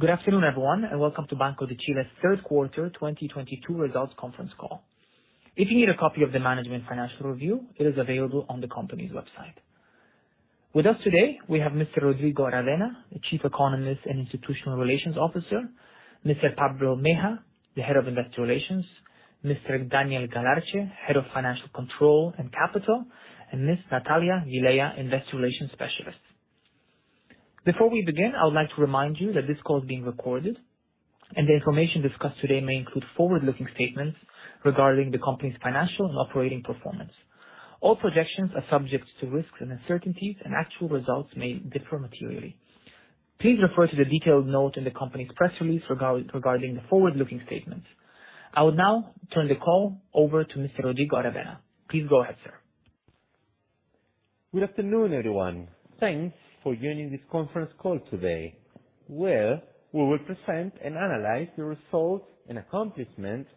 Good afternoon, everyone, and welcome to Banco de Chile's third quarter 2022 results conference call. If you need a copy of the management financial review, it is available on the company's website. With us today, we have Mr. Rodrigo Aravena, the Chief Economist and Institutional Relations Officer, Mr. Pablo Mejia, the Head of Investor Relations, Mr. Daniel Galarce, Head of Financial Control and Capital, and Miss Natalia Villela, Investor Relations Specialist. Before we begin, I would like to remind you that this call is being recorded, and the information discussed today may include forward-looking statements regarding the company's financial and operating performance. All projections are subject to risks and uncertainties, and actual results may differ materially. Please refer to the detailed note in the company's press release regarding the forward-looking statements. I would now turn the call over to Mr. Rodrigo Aravena. Please go ahead, sir Good afternoon, everyone. Thanks for joining this conference call today, where we will present and analyze the results and accomplishments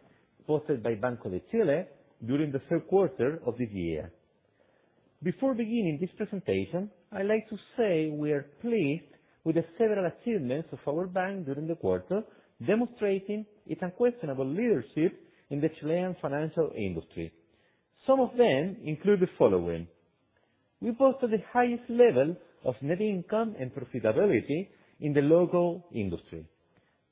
posted by Banco de Chile during the third quarter of the year. Before beginning this presentation, I'd like to say we are pleased with the several achievements of our bank during the quarter, demonstrating its unquestionable leadership in the Chilean financial industry. Some of them include the following. We posted the highest level of net income and profitability in the local industry.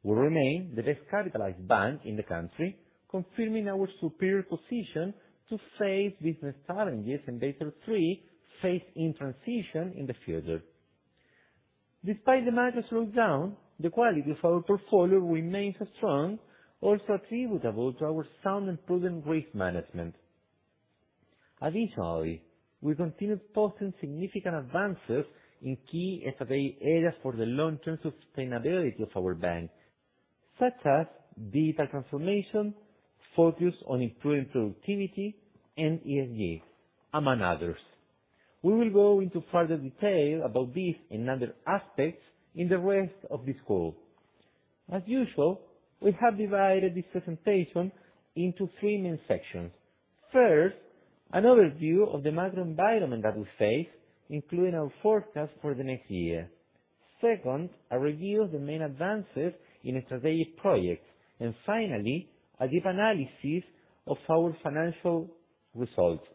We remain the best capitalized bank in the country, confirming our superior position to face business challenges and better to face the transition in the future. Despite the market slowdown, the quality of our portfolio remains strong, also attributable to our sound and prudent risk management. Additionally, we continue posting significant advances in key areas for the long-term sustainability of our bank, such as data transformation, focus on improving productivity and ESG, among others. We will go into further detail about this and other aspects in the rest of this call. As usual, we have divided this presentation into three main sections. First, an overview of the macro environment that we face, including our forecast for the next year. Second, a review of the main advances in strategic projects. Finally, a deep analysis of our financial results.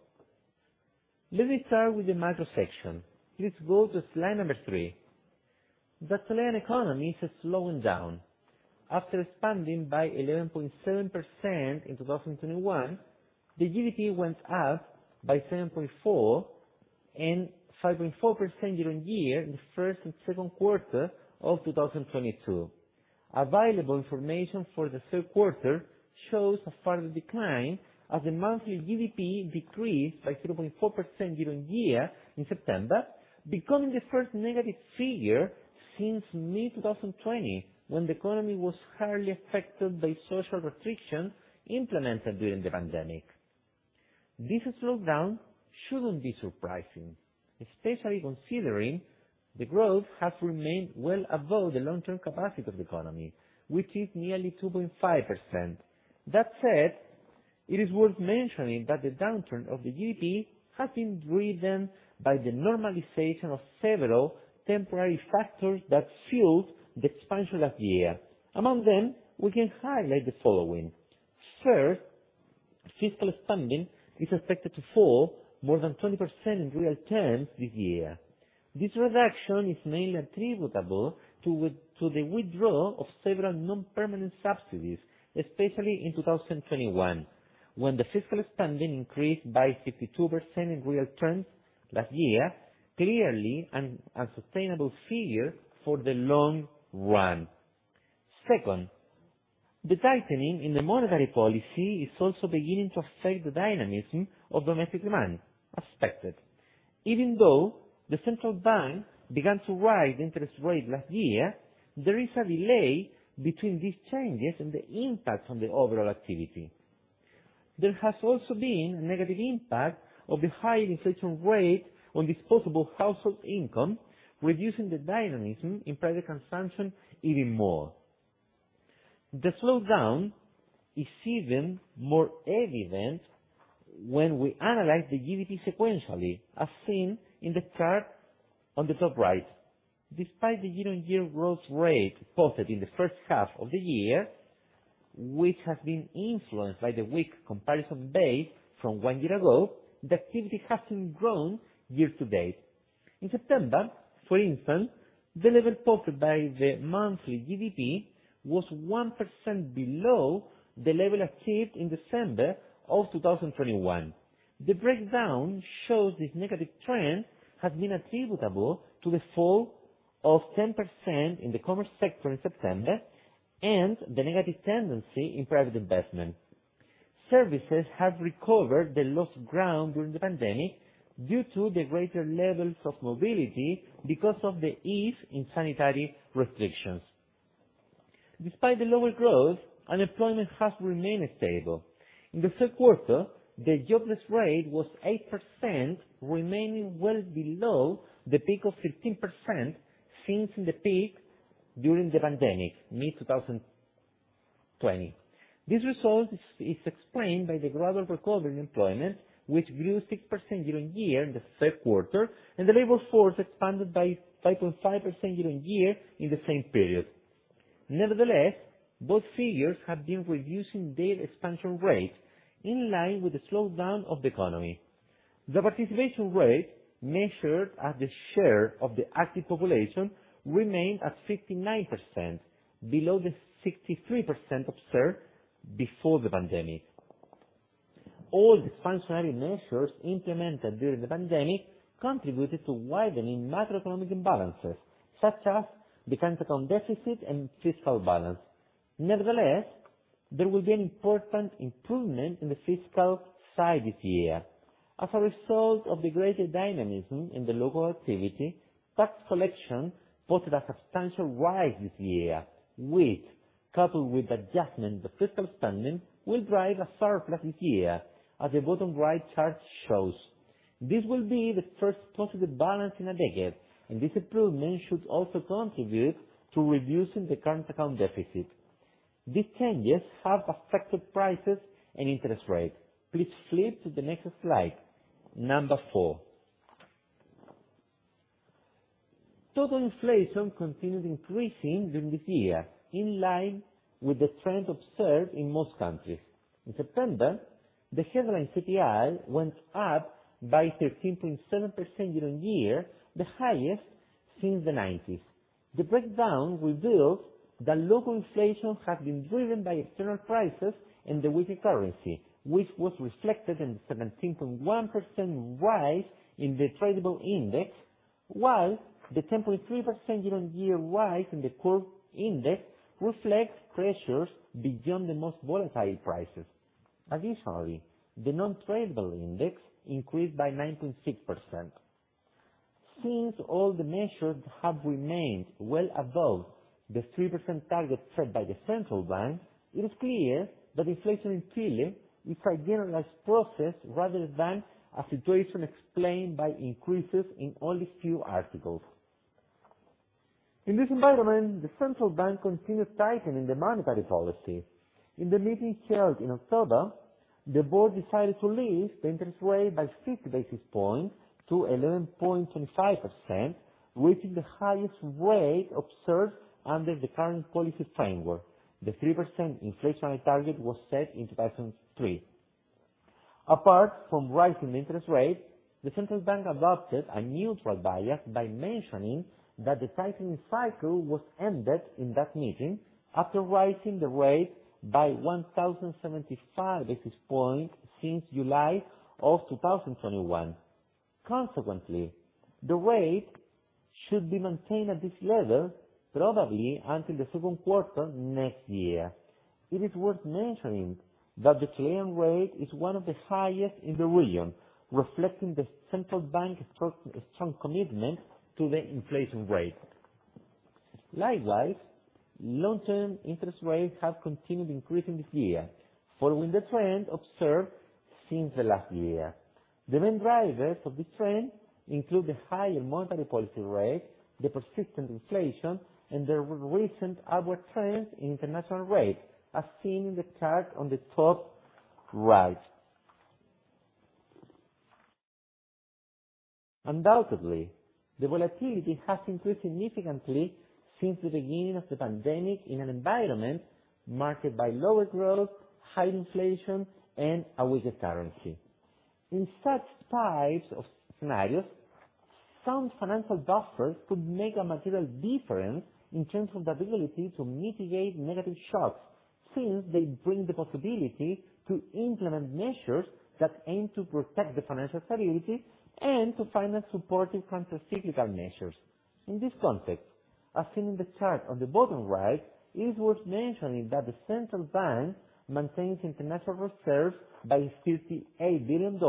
Let me start with the macro section. Please go to slide number three. The Chilean economy is slowing down. After expanding by 11.7% in 2021, the GDP went up by 7.4% and 5.4% year-on-year in the first and second quarter of 2022. Available information for the third quarter shows a further decline as the monthly GDP decreased by 0.4% year-on-year in September, becoming the first negative figure since mid-2020, when the economy was hardly affected by social restrictions implemented during the pandemic. This slowdown shouldn't be surprising, especially considering the growth has remained well above the long-term capacity of the economy, which is nearly 2.5%. That said, it is worth mentioning that the downturn of the GDP has been driven by the normalization of several temporary factors that fueled the expansion last year. Among them, we can highlight the following. First, fiscal spending is expected to fall more than 20% in real terms this year. This reduction is mainly attributable to the withdrawal of several non-permanent subsidies, especially in 2021, when the fiscal spending increased by 52% in real terms last year. Clearly an unsustainable figure for the long run. Second, the tightening in the monetary policy is also beginning to affect the dynamism of domestic demand as expected. Even though the central bank began to raise interest rates last year, there is a delay between these changes and the impact on the overall activity. There has also been a negative impact of the high inflation rate on disposable household income, reducing the dynamism in private consumption even more. The slowdown is even more evident when we analyze the GDP sequentially, as seen in the chart on the top right. Despite the year-on-year growth rate posted in the first half of the year, which has been influenced by the weak comparison base from one year ago, the activity has been growing year-to-date. In September, for instance, the level posted by the monthly GDP was 1% below the level achieved in December of 2021. The breakdown shows this negative trend has been attributable to the fall of 10% in the commerce sector in September and the negative tendency in private investment. Services have recovered the lost ground during the pandemic due to the greater levels of mobility because of the ease in sanitary restrictions. Despite the lower growth, unemployment has remained stable. In the third quarter, the jobless rate was 8%, remaining well below the peak of 15%, since the peak during the pandemic, mid 2020. This result is explained by the gradual recovery in employment, which grew 6% year-on-year in the third quarter, and the labor force expanded by 5.5% year-on-year in the same period. Nevertheless, both figures have been reducing their expansion rate in line with the slowdown of the economy. The participation rate, measured at the share of the active population, remained at 59%, below the 63% observed before the pandemic. All the functional measures implemented during the pandemic contributed to widening macroeconomic imbalances such as the current account deficit and fiscal balance. Nevertheless, there will be an important improvement in the fiscal side this year. As a result of the greater dynamism in the local activity, tax collection posted a substantial rise this year, which coupled with the adjustment in the fiscal spending, will drive a surplus this year, as the bottom right chart shows. This will be the first positive balance in a decade, and this improvement should also contribute to reducing the current account deficit. These changes have affected prices and interest rates. Please flip to the next slide, four. Total inflation continued increasing during this year, in line with the trend observed in most countries. In September, the headline CPI went up by 13.7% year-on-year, the highest since the 1990s. The breakdown revealed that local inflation had been driven by external prices and the weaker currency, which was reflected in the 17.1% rise in the tradable index, while the 10.3% year-on-year rise in the core index reflects pressures beyond the most volatile prices. Additionally, the non-tradable index increased by 9.6%. Since all the measures have remained well above the 3% target set by the central bank, it is clear that inflation in Chile is a generalized process rather than a situation explained by increases in only few articles. In this environment, the central bank continued tightening the monetary policy. In the meeting held in October, the board decided to lift the interest rate by 50 basis points to 11.25%, reaching the highest rate observed under the current policy framework. The 3% inflationary target was set in 2003. Apart from rising interest rates, the central bank adopted a neutral bias by mentioning that the tightening cycle was ended in that meeting after raising the rate by 1,075 basis points since July of 2021. Consequently, the rate should be maintained at this level, probably until the second quarter next year. It is worth mentioning that the Chilean rate is one of the highest in the region, reflecting the central bank's strong commitment to the inflation rate. Likewise, long-term interest rates have continued increasing this year, following the trend observed since the last year. The main drivers of this trend include the higher monetary policy rate, the persistent inflation, and the recent upward trends in international rates, as seen in the chart on the top right. Undoubtedly, the volatility has increased significantly since the beginning of the pandemic in an environment marked by lower growth, high inflation, and a weaker currency. In such types of scenarios, some financial buffers could make a material difference in terms of the ability to mitigate negative shocks, since they bring the possibility to implement measures that aim to protect the financial stability and to finance supportive countercyclical measures. In this context, as seen in the chart on the bottom right, it is worth mentioning that the central bank maintains international reserves by $58 billion,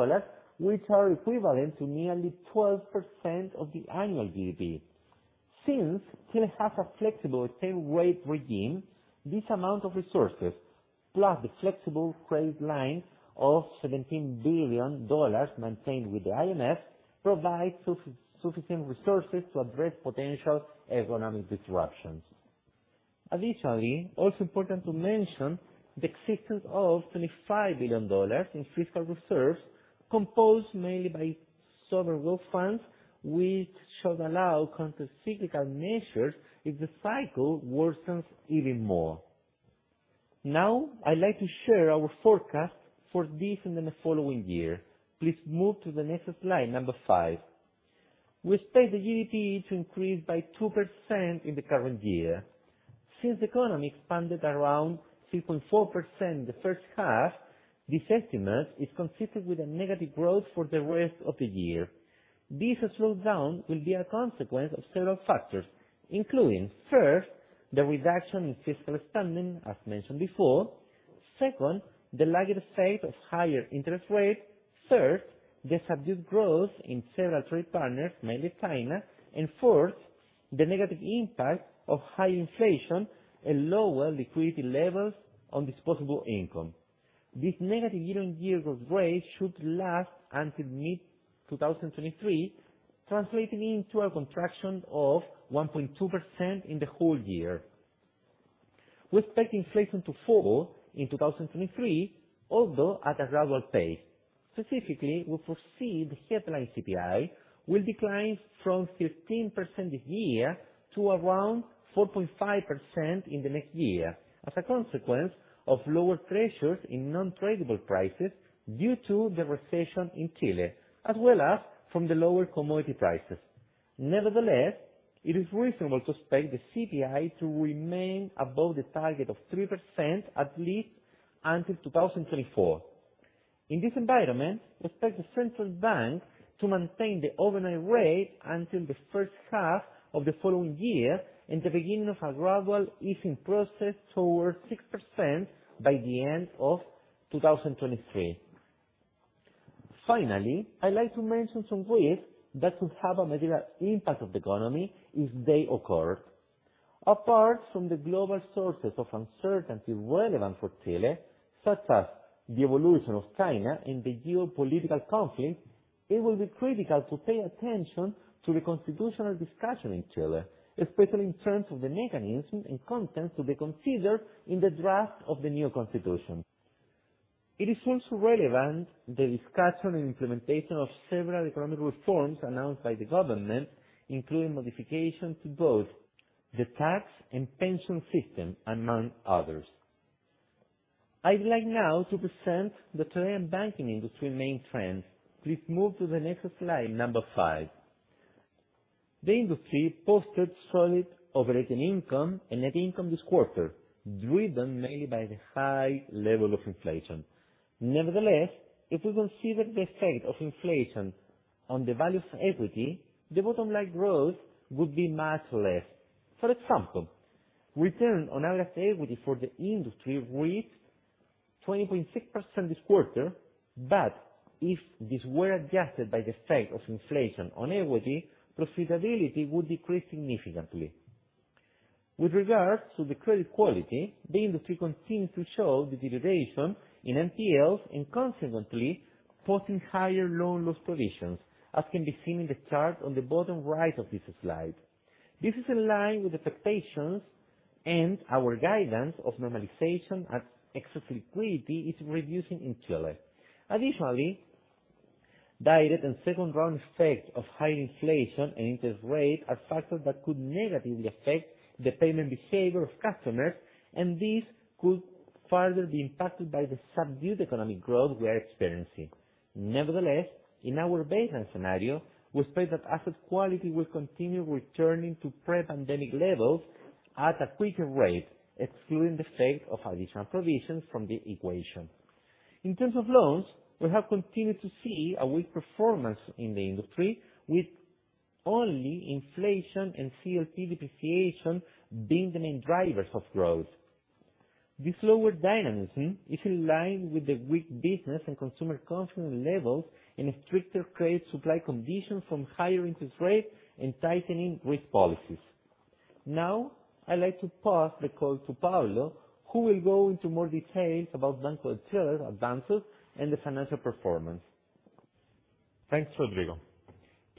which are equivalent to nearly 12% of the annual GDP. Since Chile has a flexible exchange rate regime, this amount of resources, plus the flexible credit line of $17 billion maintained with the IMF, provides sufficient resources to address potential economic disruptions. Additionally, also important to mention the existence of $25 billion in fiscal reserves composed mainly by sovereign wealth funds, which should allow countercyclical measures if the cycle worsens even more. Now, I'd like to share our forecast for this and the following year. Please move to the next slide, number five. We expect the GDP to increase by 2% in the current year. Since the economy expanded around 3.4% in the first half, this estimate is consistent with a negative growth for the rest of the year. This slowdown will be a consequence of several factors, including, first, the reduction in fiscal spending, as mentioned before. Second, the lagged effect of higher interest rates. Third, the subdued growth in several trade partners, mainly China. Fourth, the negative impact of high inflation and lower liquidity levels on disposable income. This negative year-on-year growth rate should last until mid 2023, translating into a contraction of 1.2% in the whole year. We expect inflation to fall in 2023, although at a gradual pace. Specifically, we foresee the headline CPI will decline from 13% this year to around 4.5% in the next year as a consequence of lower pressures in non-tradable prices due to the recession in Chile, as well as from the lower commodity prices. Nevertheless, it is reasonable to expect the CPI to remain above the target of 3% at least until 2024. In this environment, we expect the central bank to maintain the overnight rate until the first half of the following year and the beginning of a gradual easing process towards 6% by the end of 2023. Finally, I'd like to mention some risks that could have a material impact on the economy if they occur. Apart from the global sources of uncertainty relevant for Chile, such as the evolution of China and the geopolitical conflict, it will be critical to pay attention to the constitutional discussion in Chile, especially in terms of the mechanisms and contents to be considered in the draft of the new constitution. It is also relevant the discussion and implementation of several economic reforms announced by the government, including modifications to both the tax and pension system, among others. I'd like now to present the Chilean banking industry main trends. Please move to the next slide, number five. The industry posted solid operating income and net income this quarter, driven mainly by the high level of inflation. Nevertheless, if we consider the effect of inflation on the value of equity, the bottom line growth would be much less. For example, return on average equity for the industry reached 20.6% this quarter, but if this were adjusted by the effect of inflation on equity, profitability would decrease significantly. With regards to the credit quality, the industry continues to show deterioration in NPLs, and consequently, posting higher loan loss provisions, as can be seen in the chart on the bottom right of this slide. This is in line with expectations and our guidance of normalization as excess liquidity is reducing in Chile. Additionally, the direct and second round effect of higher inflation and interest rates are factors that could negatively affect the payment behavior of customers, and this could further be impacted by the subdued economic growth we are experiencing. Nevertheless, in our baseline scenario, we expect that asset quality will continue returning to pre-pandemic levels at a quicker rate, excluding the effect of additional provisions from the equation. In terms of loans, we have continued to see a weak performance in the industry, with only inflation and CLP depreciation being the main drivers of growth. This lower dynamism is in line with the weak business and consumer confidence levels and stricter credit supply conditions from higher interest rates and tightening risk policies. Now, I'd like to pass the call to Pablo, who will go into more details about Banco de Chile advances and the financial performance. Thanks, Rodrigo.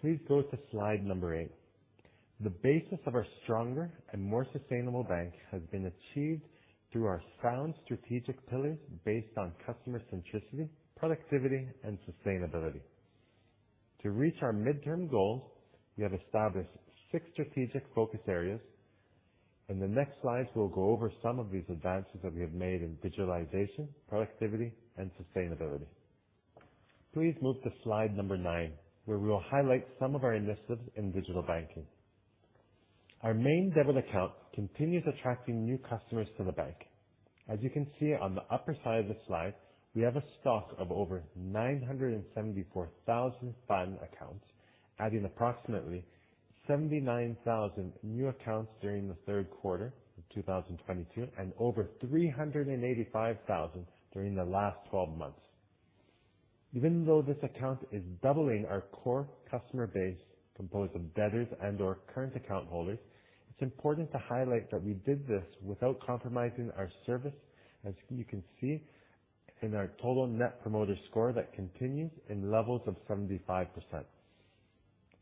Please go to slide 8. The basis of our stronger and more sustainable bank has been achieved through our sound strategic pillars based on customer centricity, productivity, and sustainability. To reach our midterm goals, we have established six strategic focus areas. In the next slides, we'll go over some of these advances that we have made in digitalization, productivity, and sustainability. Please move to slide 9, where we will highlight some of our initiatives in digital banking. Our main debit account continues attracting new customers to the bank. As you can see on the upper side of the slide, we have a stock of over 974,000 FAN accounts, adding approximately 79,000 new accounts during the third quarter of 2022 and over 385,000 during the last 12 months. Even though this account is doubling our core customer base composed of debtors and/or current account holders, it's important to highlight that we did this without compromising our service, as you can see in our total Net Promoter Score that continues in levels of 75%.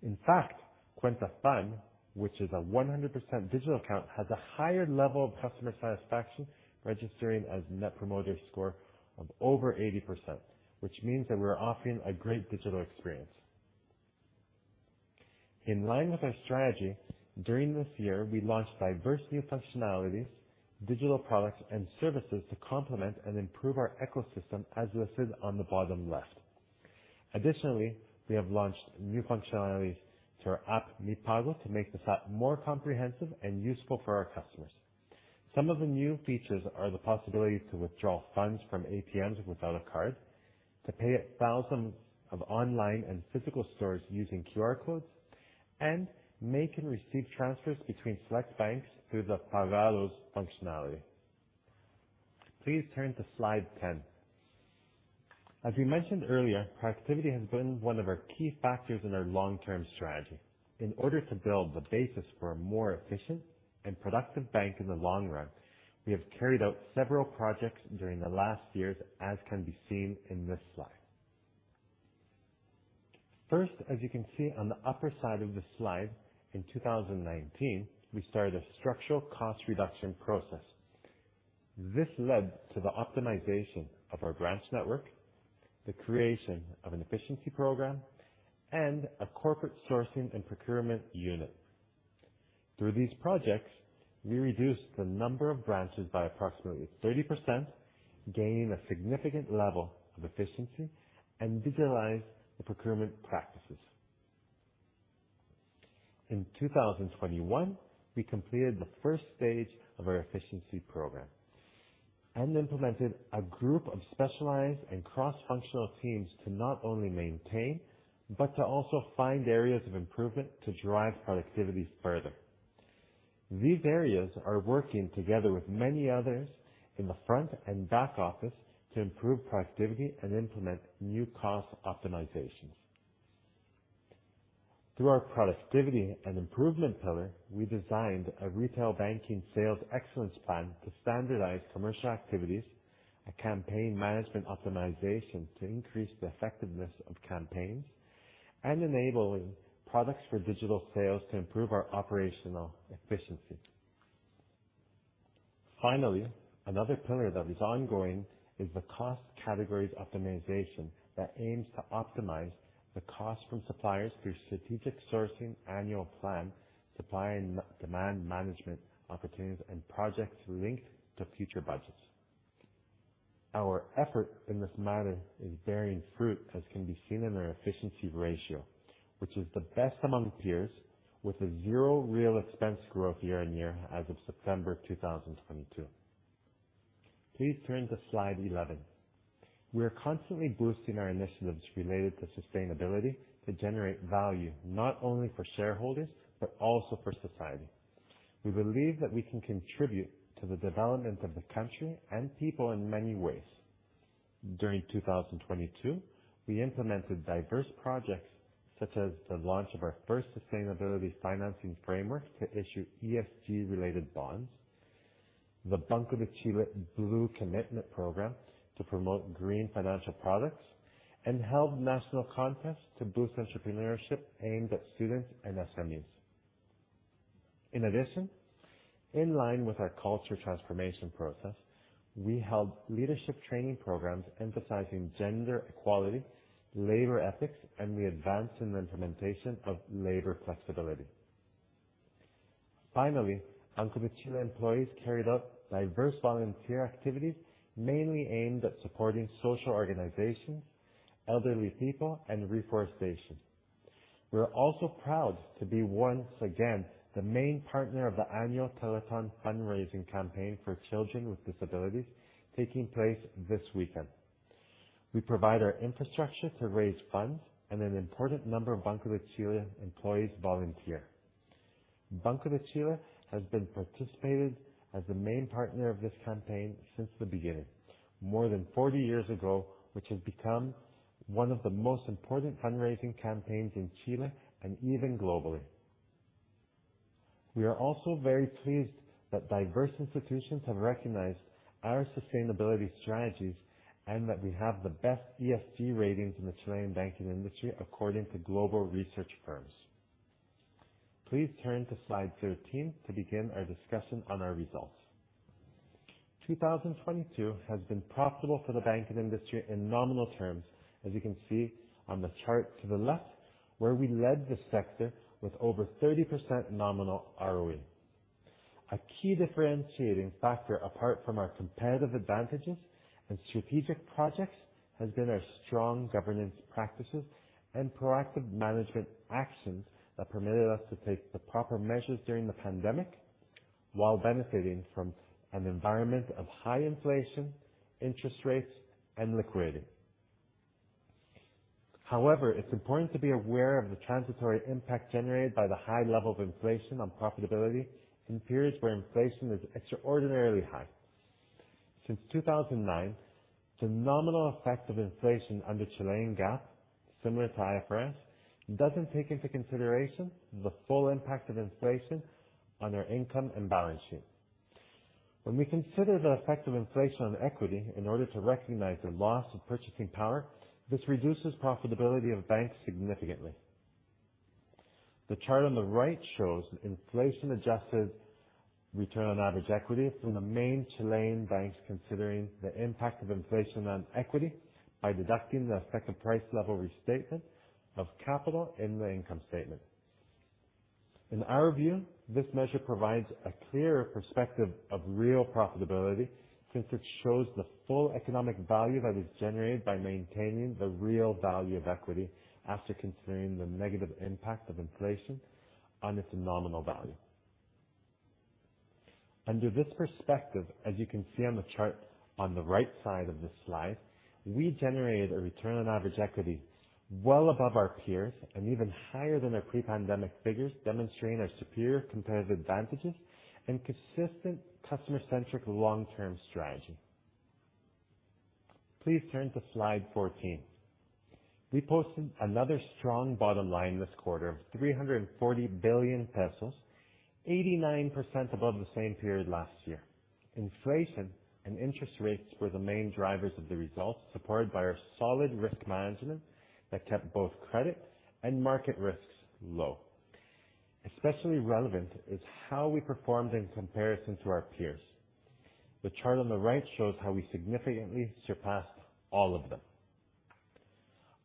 In fact, Cuenta FAN, which is a 100% digital account, has a higher level of customer satisfaction, registering a Net Promoter Score of over 80%, which means that we're offering a great digital experience. In line with our strategy, during this year, we launched a diversity of functionalities, digital products, and services to complement and improve our ecosystem, as listed on the bottom left. Additionally, we have launched new functionalities to our app, Mi Pago, to make this app more comprehensive and useful for our customers. Some of the new features are the possibility to withdraw funds from ATMs without a card, to pay thousands of online and physical stores using QR codes, and make and receive transfers between select banks through the Págalo functionality. Please turn to slide 10. As we mentioned earlier, productivity has been one of our key factors in our long-term strategy. In order to build the basis for a more efficient and productive bank in the long run, we have carried out several projects during the last years, as can be seen in this slide. First, as you can see on the upper side of the slide, in 2019, we started a structural cost reduction process. This led to the optimization of our branch network, the creation of an efficiency program, and a corporate sourcing and procurement unit. Through these projects, we reduced the number of branches by approximately 30%, gaining a significant level of efficiency and digitalize the procurement practices. In 2021, we completed the first stage of our efficiency program and implemented a group of specialized and cross-functional teams to not only maintain, but to also find areas of improvement to drive productivities further. These areas are working together with many others in the front and back office to improve productivity and implement new cost optimizations. Through our productivity and improvement pillar, we designed a retail banking sales excellence plan to standardize commercial activities, a campaign management optimization to increase the effectiveness of campaigns, and enabling products for digital sales to improve our operational efficiency. Finally, another pillar that is ongoing is the cost categories optimization that aims to optimize the cost from suppliers through strategic sourcing annual plan, supply and demand management opportunities, and projects linked to future budgets. Our effort in this matter is bearing fruit, as can be seen in our efficiency ratio, which is the best among peers with a zero real expense growth year-over-year as of September 2022. Please turn to slide 11. We are constantly boosting our initiatives related to sustainability to generate value, not only for shareholders, but also for society. We believe that we can contribute to the development of the country and people in many ways. During 2022, we implemented diverse projects such as the launch of our first sustainability financing framework to issue ESG-related bonds, the Banco de Chile Blue commitment program to promote green financial products, and held national contests to boost entrepreneurship aimed at students and SMEs. In addition, in line with our culture transformation process, we held leadership training programs emphasizing gender equality, labor ethics, and we advanced in the implementation of labor flexibility. Finally, Banco de Chile employees carried out diverse volunteer activities, mainly aimed at supporting social organizations, elderly people, and reforestation. We are also proud to be, once again, the main partner of the annual Teletón fundraising campaign for children with disabilities taking place this weekend. We provide our infrastructure to raise funds and an important number of Banco de Chile employees volunteer. Banco de Chile has participated as the main partner of this campaign since the beginning, more than 40 years ago, which has become one of the most important fundraising campaigns in Chile and even globally. We are also very pleased that diverse institutions have recognized our sustainability strategies, and that we have the best ESG ratings in the Chilean banking industry according to global research firms. Please turn to slide 13 to begin our discussion on our results. 2022 has been profitable for the banking industry in nominal terms, as you can see on the chart to the left, where we led the sector with over 30% nominal ROE. A key differentiating factor apart from our competitive advantages and strategic projects has been our strong governance practices and proactive management actions that permitted us to take the proper measures during the pandemic while benefiting from an environment of high inflation, interest rates, and liquidity. However, it's important to be aware of the transitory impact generated by the high level of inflation on profitability in periods where inflation is extraordinarily high. Since 2009, the nominal effect of inflation under Chilean GAAP, similar to IFRS, doesn't take into consideration the full impact of inflation on our income and balance sheet. When we consider the effect of inflation on equity in order to recognize the loss of purchasing power, this reduces profitability of banks significantly. The chart on the right shows inflation-adjusted return on average equity from the main Chilean banks, considering the impact of inflation on equity by deducting the effect of price level restatement of capital in the income statement. In our view, this measure provides a clearer perspective of real profitability since it shows the full economic value that is generated by maintaining the real value of equity after considering the negative impact of inflation on its nominal value. Under this perspective, as you can see on the chart on the right side of this slide, we generated a return on average equity well above our peers and even higher than their pre-pandemic figures, demonstrating our superior competitive advantages and consistent customer-centric long-term strategy. Please turn to slide 14. We posted another strong bottom line this quarter of 340 billion pesos, 89% above the same period last year. Inflation and interest rates were the main drivers of the results, supported by our solid risk management that kept both credit and market risks low. Especially relevant is how we performed in comparison to our peers. The chart on the right shows how we significantly surpassed all of them.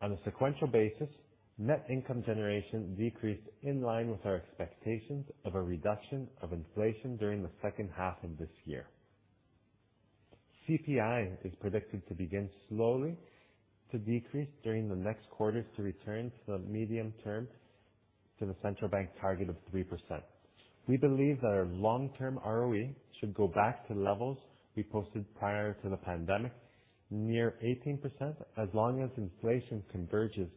On a sequential basis, net income generation decreased in line with our expectations of a reduction of inflation during the second half of this year. CPI is predicted to begin slowly to decrease during the next quarters to return to the medium-term to the central bank target of 3%. We believe that our long-term ROE should go back to levels we posted prior to the pandemic, near 18%, as long as inflation converges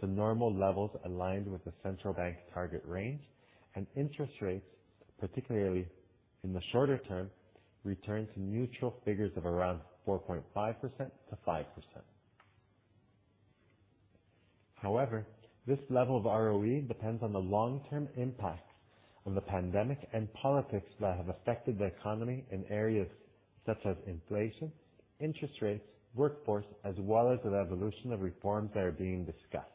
to normal levels aligned with the central bank target range and interest rates, particularly in the shorter term, return to neutral figures of around 4.5%-5%. However, this level of ROE depends on the long-term impact of the pandemic and politics that have affected the economy in areas such as inflation, interest rates, workforce, as well as the evolution of reforms that are being discussed.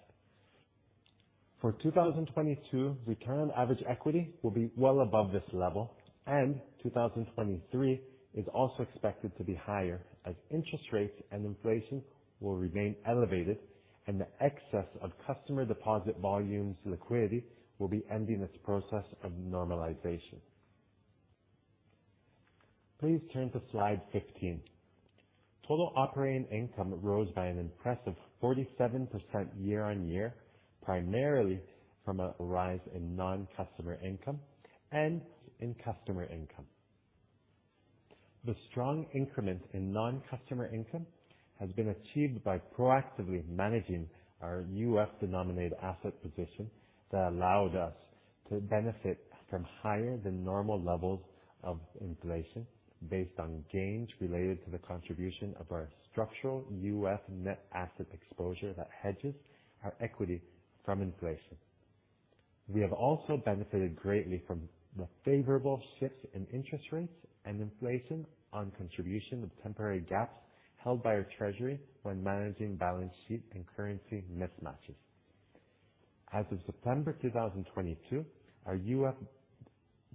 For 2022, return on average equity will be well above this level, and 2023 is also expected to be higher as interest rates and inflation will remain elevated and the excess of customer deposit volumes liquidity will be ending its process of normalization. Please turn to slide 15. Total operating income rose by an impressive 47% year-on-year, primarily from a rise in non-customer income and in customer income. The strong increment in non-customer income has been achieved by proactively managing our U.S.-denominated asset position that allowed us to benefit from higher than normal levels of inflation based on gains related to the contribution of our structural U.S. net asset exposure that hedges our equity from inflation. We have also benefited greatly from the favorable shifts in interest rates and inflation on contribution of temporary gaps held by our treasury when managing balance sheet and currency mismatches. As of September 2022, our U.S.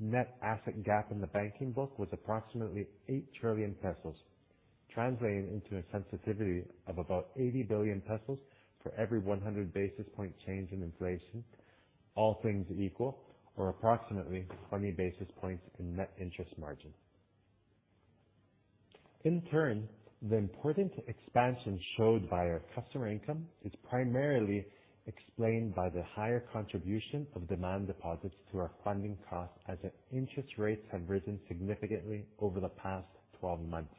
net asset gap in the banking book was approximately 8 trillion pesos, translating into a sensitivity of about 80 billion pesos for every 100 basis point change in inflation, all things equal or approximately 20 basis points in net interest margin. In turn, the important expansion showed by our customer income is primarily explained by the higher contribution of demand deposits to our funding costs as interest rates have risen significantly over the past 12 months,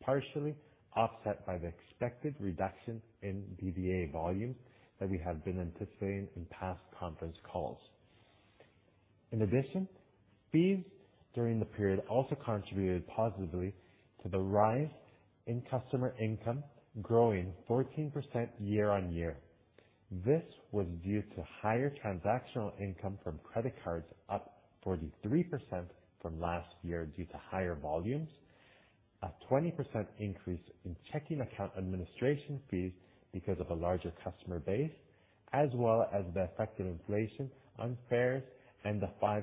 partially offset by the expected reduction in BVA volumes that we have been anticipating in past conference calls. In addition, fees during the period also contributed positively to the rise in customer income, growing 14% year-on-year. This was due to higher transactional income from credit cards up 43% from last year due to higher volumes, a 20% increase in checking account administration fees because of a larger customer base, as well as the effect of inflation on fares and the 5%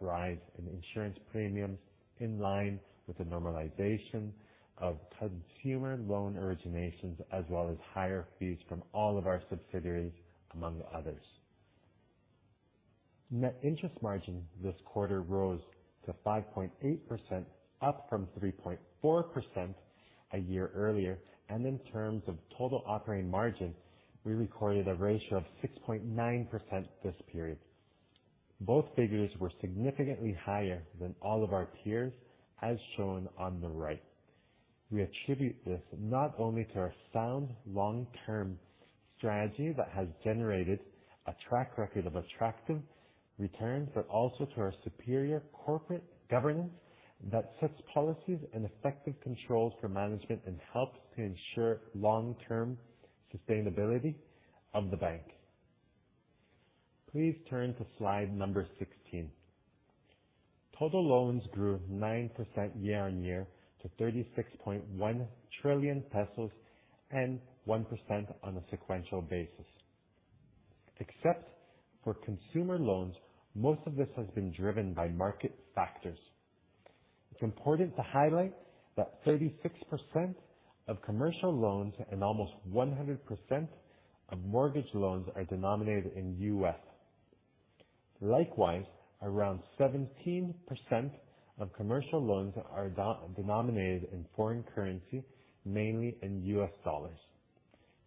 rise in insurance premiums in line with the normalization of consumer loan originations, as well as higher fees from all of our subsidiaries, among others. Net interest margin this quarter rose to 5.8%, up from 3.4% a year earlier. In terms of total operating margin, we recorded a ratio of 6.9% this period. Both figures were significantly higher than all of our peers, as shown on the right. We attribute this not only to our sound long-term strategy that has generated a track record of attractive returns, but also to our superior corporate governance that sets policies and effective controls for management and helps to ensure long-term sustainability of the bank. Please turn to slide number 16. Total loans grew 9% year-on-year to 36.1 trillion pesos and 1% on a sequential basis. Except for consumer loans, most of this has been driven by market factors. It's important to highlight that 36% of commercial loans and almost 100% of mortgage loans are denominated in U.S. Likewise, around 17% of commercial loans are denominated in foreign currency, mainly in US dollars.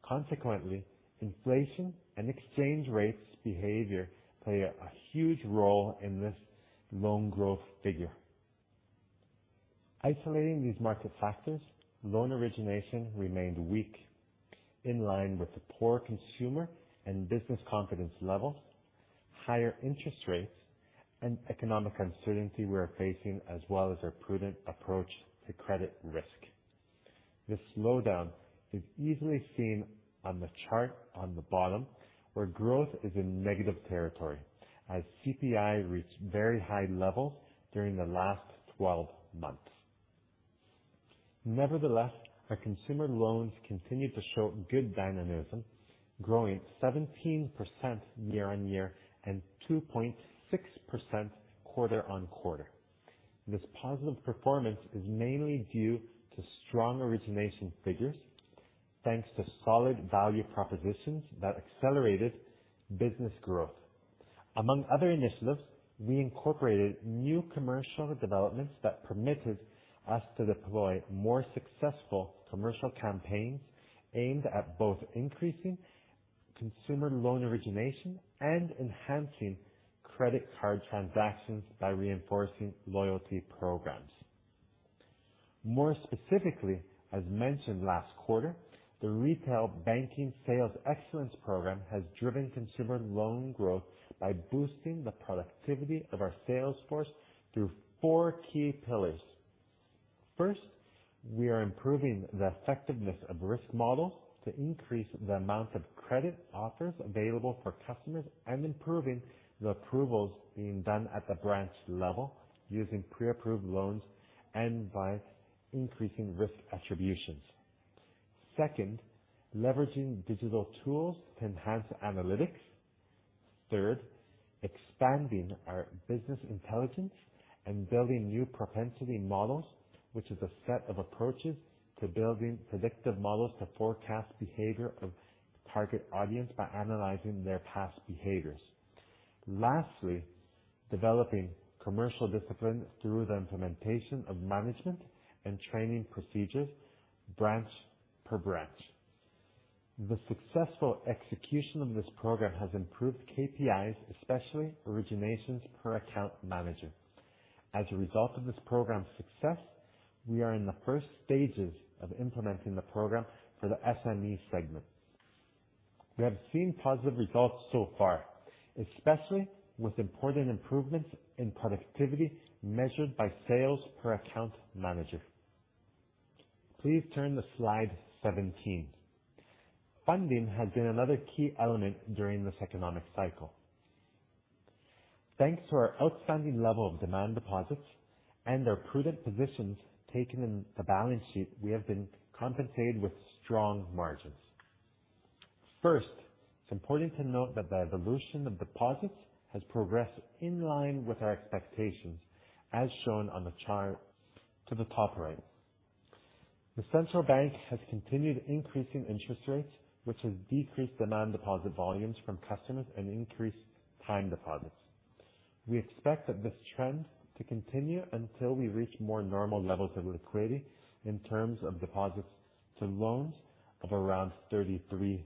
Consequently, inflation and exchange rates behavior play a huge role in this loan growth figure. Isolating these market factors, loan origination remained weak. In line with the poor consumer and business confidence levels, higher interest rates and economic uncertainty we are facing, as well as our prudent approach to credit risk. This slowdown is easily seen on the chart on the bottom, where growth is in negative territory as CPI reached very high levels during the last 12 months. Nevertheless, our consumer loans continued to show good dynamism, growing 17% year-on-year and 2.6% quarter-on-quarter. This positive performance is mainly due to strong origination figures, thanks to solid value propositions that accelerated business growth. Among other initiatives, we incorporated new commercial developments that permitted us to deploy more successful commercial campaigns aimed at both increasing consumer loan origination and enhancing credit card transactions by reinforcing loyalty programs. More specifically, as mentioned last quarter, the retail banking sales excellence program has driven consumer loans growth by boosting the productivity of our sales force through four key pillars. First, we are improving the effectiveness of risk model to increase the amount of credit offers available for customers and improving the approvals being done at the branch level using pre-approved loans and by increasing risk attributions. Second, leveraging digital tools to enhance analytics. Third, expanding our business intelligence and building new propensity models, which is a set of approaches to building predictive models to forecast behavior of target audience by analyzing their past behaviors. Lastly, developing commercial discipline through the implementation of management and training procedures branch per branch. The successful execution of this program has improved KPIs, especially originations per account manager. As a result of this program's success, we are in the first stages of implementing the program for the SME segment. We have seen positive results so far, especially with important improvements in productivity measured by sales per account manager. Please turn to slide 17. Funding has been another key element during this economic cycle. Thanks to our outstanding level of demand deposits and our prudent positions taken in the balance sheet, we have been compensated with strong margins. First, it's important to note that the evolution of deposits has progressed in line with our expectations, as shown on the chart to the top right. The central bank has continued increasing interest rates, which has decreased demand deposit volumes from customers and increased time deposits. We expect that this trend to continue until we reach more normal levels of liquidity in terms of deposits to loans of around 33%.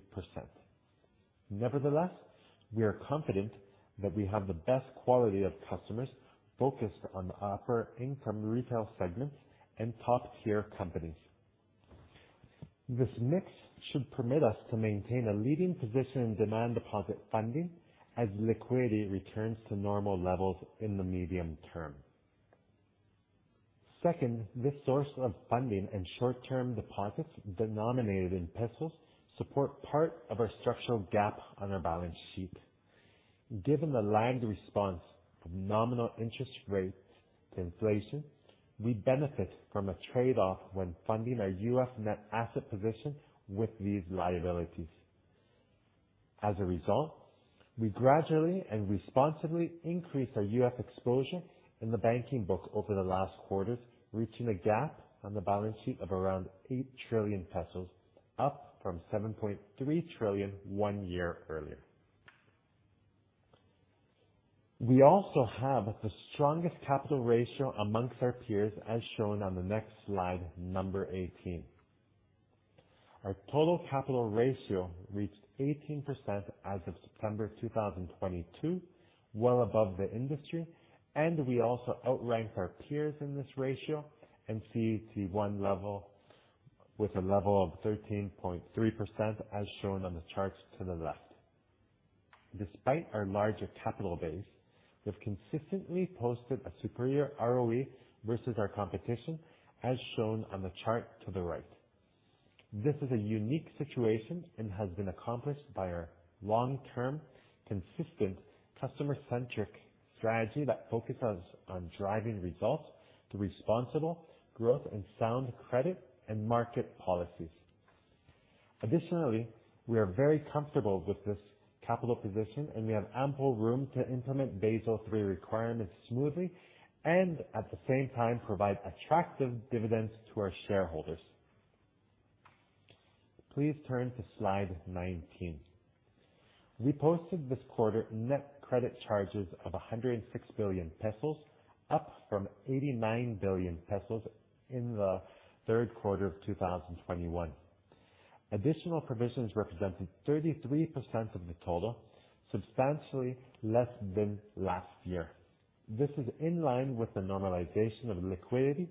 Nevertheless, we are confident that we have the best quality of customers focused on upper-income retail segments and top-tier companies. This mix should permit us to maintain a leading position in demand deposit funding as liquidity returns to normal levels in the medium term. Second, this source of funding and short-term deposits denominated in pesos support part of our structural gap on our balance sheet. Given the lagged response of nominal interest rates to inflation, we benefit from a trade-off when funding our U.S. net asset position with these liabilities. As a result, we gradually and responsibly increased our U.S. exposure in the banking book over the last quarters, reaching a gap on the balance sheet of around 8 trillion pesos, up from 7.3 trillion one year earlier. We also have the strongest capital ratio amongst our peers, as shown on the next slide, number 18. Our total capital ratio reached 18% as of September 2022, well above the industry, and we also outrank our peers in this ratio and CET1 level with a level of 13.3%, as shown on the charts to the left. Despite our larger capital base, we've consistently posted a superior ROE versus our competition, as shown on the chart to the right. This is a unique situation and has been accomplished by our long-term, consistent, customer-centric strategy that focuses on driving results to responsible growth and sound credit and market policies. Additionally, we are very comfortable with this capital position, and we have ample room to implement Basel III requirements smoothly and at the same time provide attractive dividends to our shareholders. Please turn to slide 19. We posted this quarter net credit charges of 106 billion pesos, up from 89 billion pesos in the third quarter of 2021. Additional provisions represented 33% of the total, substantially less than last year. This is in line with the normalization of liquidity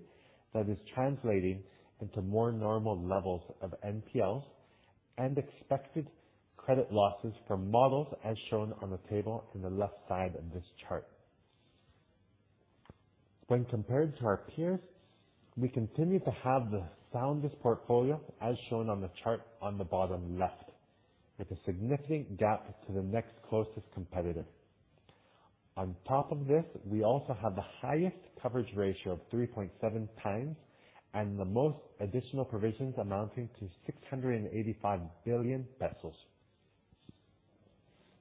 that is translating into more normal levels of NPLs and expected credit losses from models as shown on the table in the left side of this chart. When compared to our peers, we continue to have the soundest portfolio as shown on the chart on the bottom left, with a significant gap to the next closest competitor. On top of this, we also have the highest coverage ratio of 3.7x and the most additional provisions amounting to 685 billion pesos.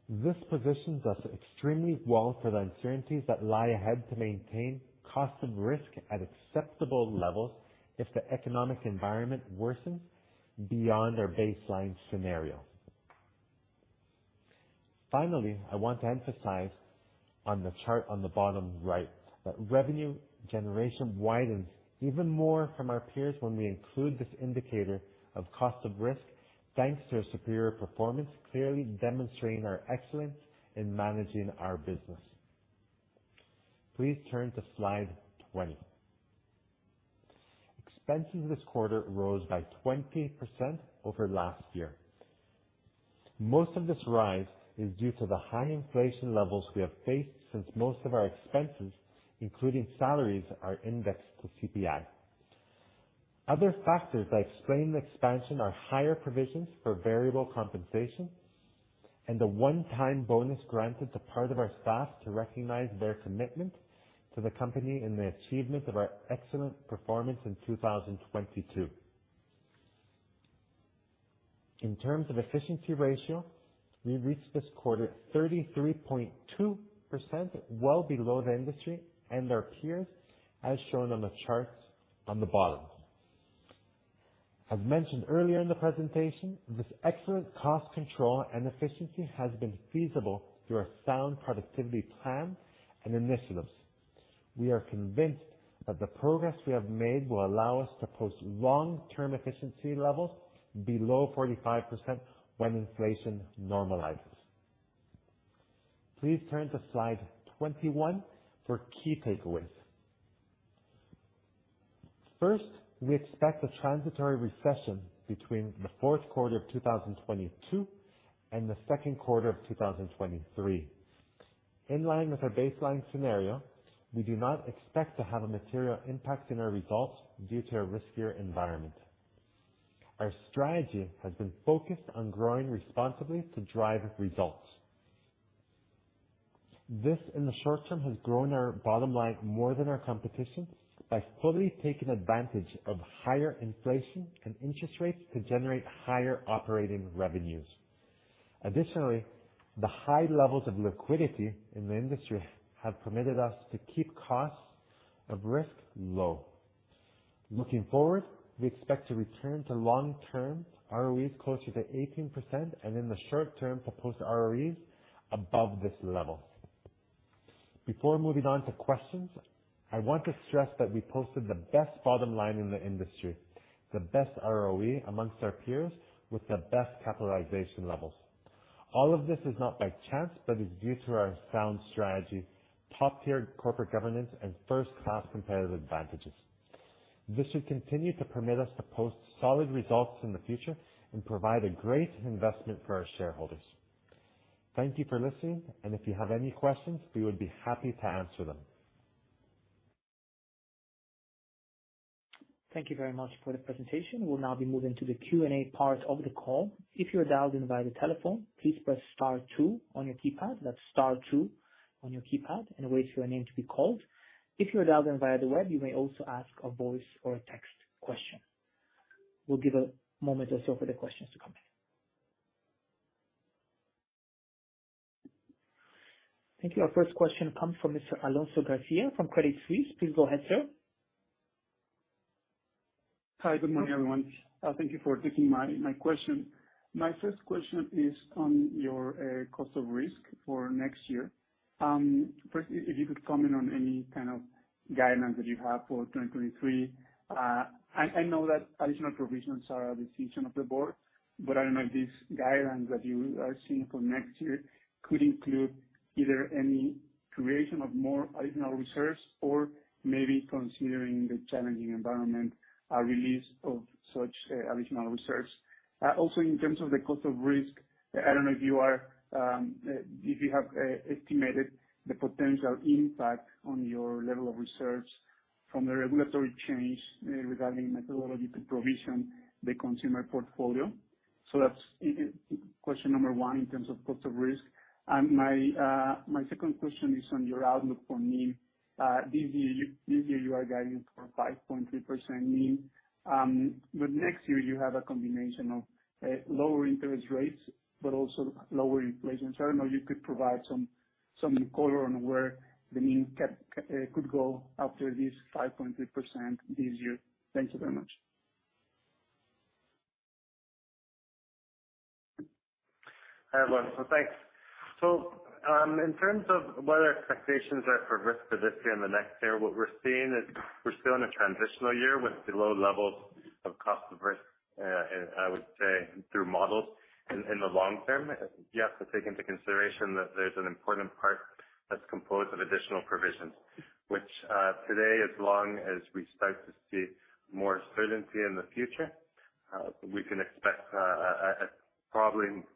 This positions us extremely well for the uncertainties that lie ahead to maintain cost of risk at acceptable levels if the economic environment worsens beyond our baseline scenario. Finally, I want to emphasize on the chart on the bottom right that revenue generation widens even more from our peers when we include this indicator of cost of risk, thanks to a superior performance, clearly demonstrating our excellence in managing our business. Please turn to slide 20. Expenses this quarter rose by 20% over last year. Most of this rise is due to the high inflation levels we have faced since most of our expenses, including salaries, are indexed to CPI. Other factors that explain the expansion are higher provisions for variable compensation and the one-time bonus granted to part of our staff to recognize their commitment to the company in the achievement of our excellent performance in 2022. In terms of efficiency ratio, we reached this quarter 33.2%, well below the industry and our peers, as shown on the charts on the bottom. As mentioned earlier in the presentation, this excellent cost control and efficiency has been feasible through our sound productivity plan and initiatives. We are convinced that the progress we have made will allow us to post long-term efficiency levels below 45% when inflation normalizes. Please turn to slide 21 for key takeaways. First, we expect a transitory recession between the fourth quarter of 2022 and the second quarter of 2023. In line with our baseline scenario, we do not expect to have a material impact in our results due to a riskier environment. Our strategy has been focused on growing responsibly to drive results. This, in the short term, has grown our bottom line more than our competition by fully taking advantage of higher inflation and interest rates to generate higher operating revenues. Additionally, the high levels of liquidity in the industry have permitted us to keep costs of risk low. Looking forward, we expect to return to long-term ROEs closer to 18%, and in the short term, to post ROEs above this level. Before moving on to questions, I want to stress that we posted the best bottom line in the industry, the best ROE amongst our peers with the best capitalization levels. All of this is not by chance, but is due to our sound strategy, top-tier corporate governance, and first-class competitive advantages. This should continue to permit us to post solid results in the future and provide a great investment for our shareholders. Thank you for listening, and if you have any questions, we would be happy to answer them. Thank you very much for the presentation. We'll now be moving to the Q&A part of the call. If you are dialed in via the telephone, please press star two on your keypad. That's star two on your keypad and wait for your name to be called. If you are dialed in via the web, you may also ask a voice or a text question. We'll give a moment or so for the questions to come in. Thank you. Our first question comes from Mr. Alonso Garcia from Credit Suisse. Please go ahead, sir. Hi. Good morning, everyone. Thank you for taking my question. My first question is on your cost of risk for next year. First, if you could comment on any kind of guidance that you have for 2023. I know that additional provisions are a decision of the board, but I don't know if this guidance that you are seeing for next year could include either any creation of more additional reserves or maybe considering the challenging environment, a release of such additional reserves. Also in terms of the cost of risk, I don't know if you are if you have estimated the potential impact on your level of reserves from the regulatory change regarding methodology to provision the consumer portfolio. So that's question number one in terms of cost of risk. My second question is on your outlook for NIM. This year you are guiding for 5.3% NIM. But next year you have a combination of lower interest rates but also lower inflation. I don't know, you could provide some color on where the NIM could go after this 5.3% this year. Thank you very much. Hi, Alonso. Thanks. In terms of what our expectations are for risk for this year and the next year, what we're seeing is we're still in a transitional year with the low levels. On cost of risk, I would say through models in the long term. You have to take into consideration that there's an important part that's composed of additional provisions, which today, as long as we start to see more certainty in the future, we can expect a probably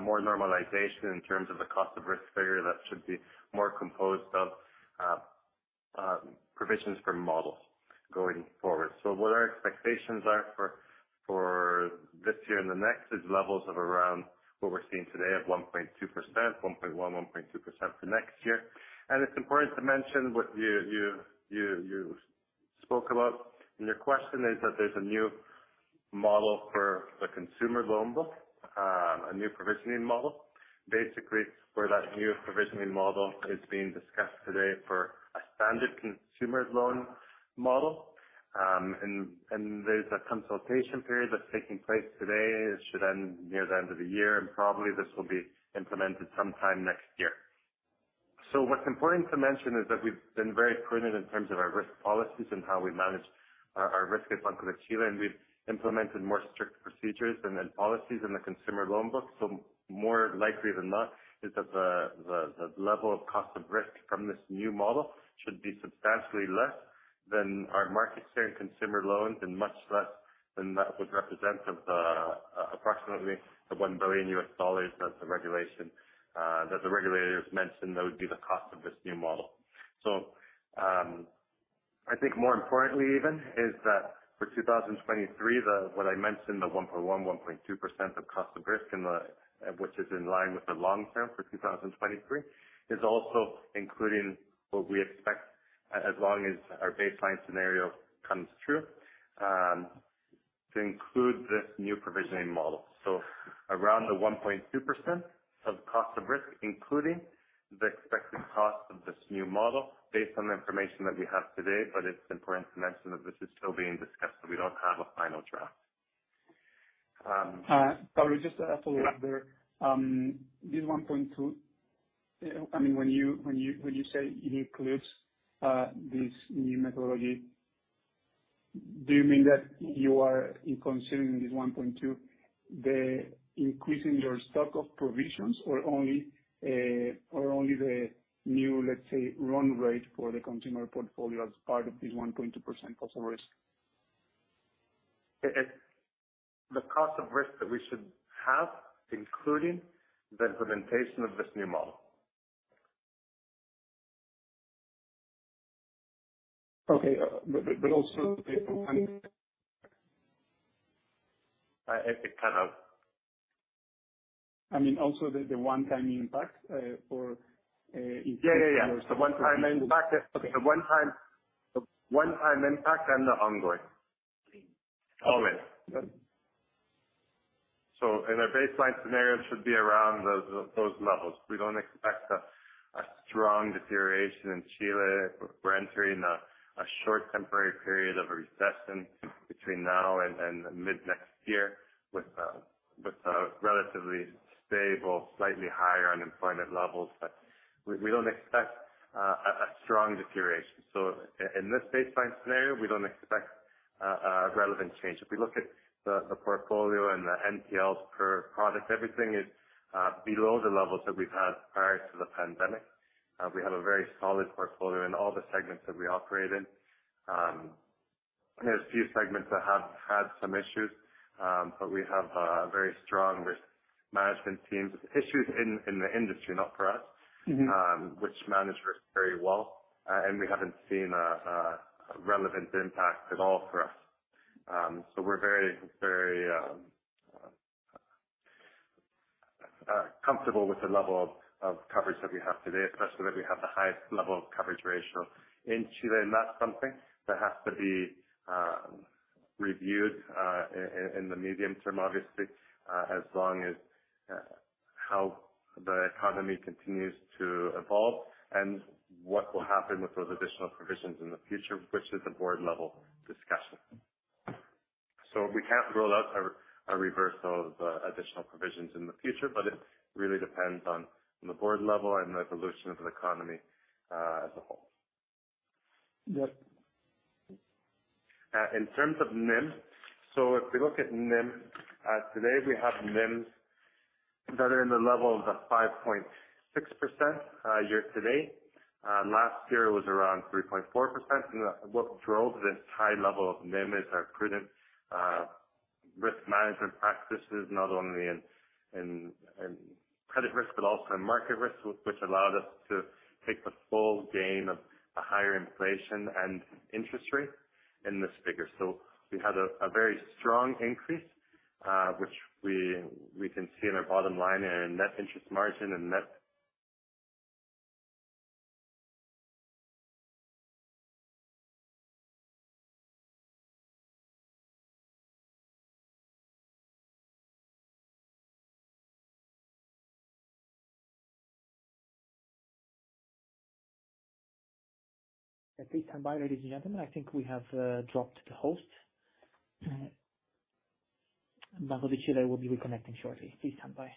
more normalization in terms of the cost of risk figure that should be more composed of provisions for models going forward. What our expectations are for this year and the next is levels of around what we're seeing today of 1.2%, 1.1%-1.2% for next year. It's important to mention what you spoke about and your question is that there's a new model for the consumer loan book, a new provisioning model. Basically, where that new provisioning model is being discussed today for a standard consumer loan model. There's a consultation period that's taking place today. It should end near the end of the year, and probably this will be implemented sometime next year. What's important to mention is that we've been very prudent in terms of our risk policies and how we manage our risk at Banco de Chile, and we've implemented more strict procedures and then policies in the consumer loan book. More likely than not is that the level of cost of risk from this new model should be substantially less than our market share in consumer loans and much less than that would represent of the approximately $1 billion that the regulation that the regulators mentioned that would be the cost of this new model. I think more importantly even is that for 2023, what I mentioned, the 1.1%-1.2% cost of risk, which is in line with the long term for 2023, is also including what we expect as long as our baseline scenario comes true, to include this new provisioning model. Around the 1.2% cost of risk, including the expected cost of this new model based on the information that we have today. It's important to mention that this is still being discussed, so we don't have a final draft. Pablo, just a follow up there. I mean, when you say it includes this new methodology, do you mean that you are including in this 1.2 the increase in your stock of provisions or only the new, let's say, run rate for the consumer portfolio as part of this 1.2% cost of risk? The cost of risk that we should have, including the implementation of this new model. Okay. Also the one. It cut out. I mean, also the one-time impact for Yeah, yeah. The one time- The one-time impact. Okay. The one time impact and the ongoing. Always. Okay. In our baseline scenario, it should be around those levels. We don't expect a strong deterioration in Chile. We're entering a short temporary period of a recession between now and mid next year with a relatively stable, slightly higher unemployment levels. We don't expect a strong deterioration. In this baseline scenario, we don't expect a relevant change. If we look at the portfolio and the NPLs per product, everything is below the levels that we've had prior to the pandemic. We have a very solid portfolio in all the segments that we operate in. There's a few segments that have had some issues, but we have a very strong risk management team. Issues in the industry, not for us. Mm-hmm. Which manage risk very well. We haven't seen a relevant impact at all for us. We're very comfortable with the level of coverage that we have today, especially that we have the highest level of coverage ratio in Chile. That's something that has to be reviewed in the medium term, obviously, as long as how the economy continues to evolve and what will happen with those additional provisions in the future, which is a board level discussion. We can't rule out a reversal of the additional provisions in the future, but it really depends on the board level and the evolution of the economy as a whole. Yep. In terms of NIM. If we look at NIM today, we have NIMs that are in the level of the 5.6%, year-to-date. Last year it was around 3.4%. What drove this high level of NIM is our prudent risk management practices, not only in credit risk but also in market risk, which allowed us to take the full gain of a higher inflation and interest rate in this figure. We had a very strong increase, which we can see in our bottom line in net interest margin and net- Please stand by, ladies and gentlemen. I think we have dropped the host. Banco de Chile will be reconnecting shortly. Please stand by.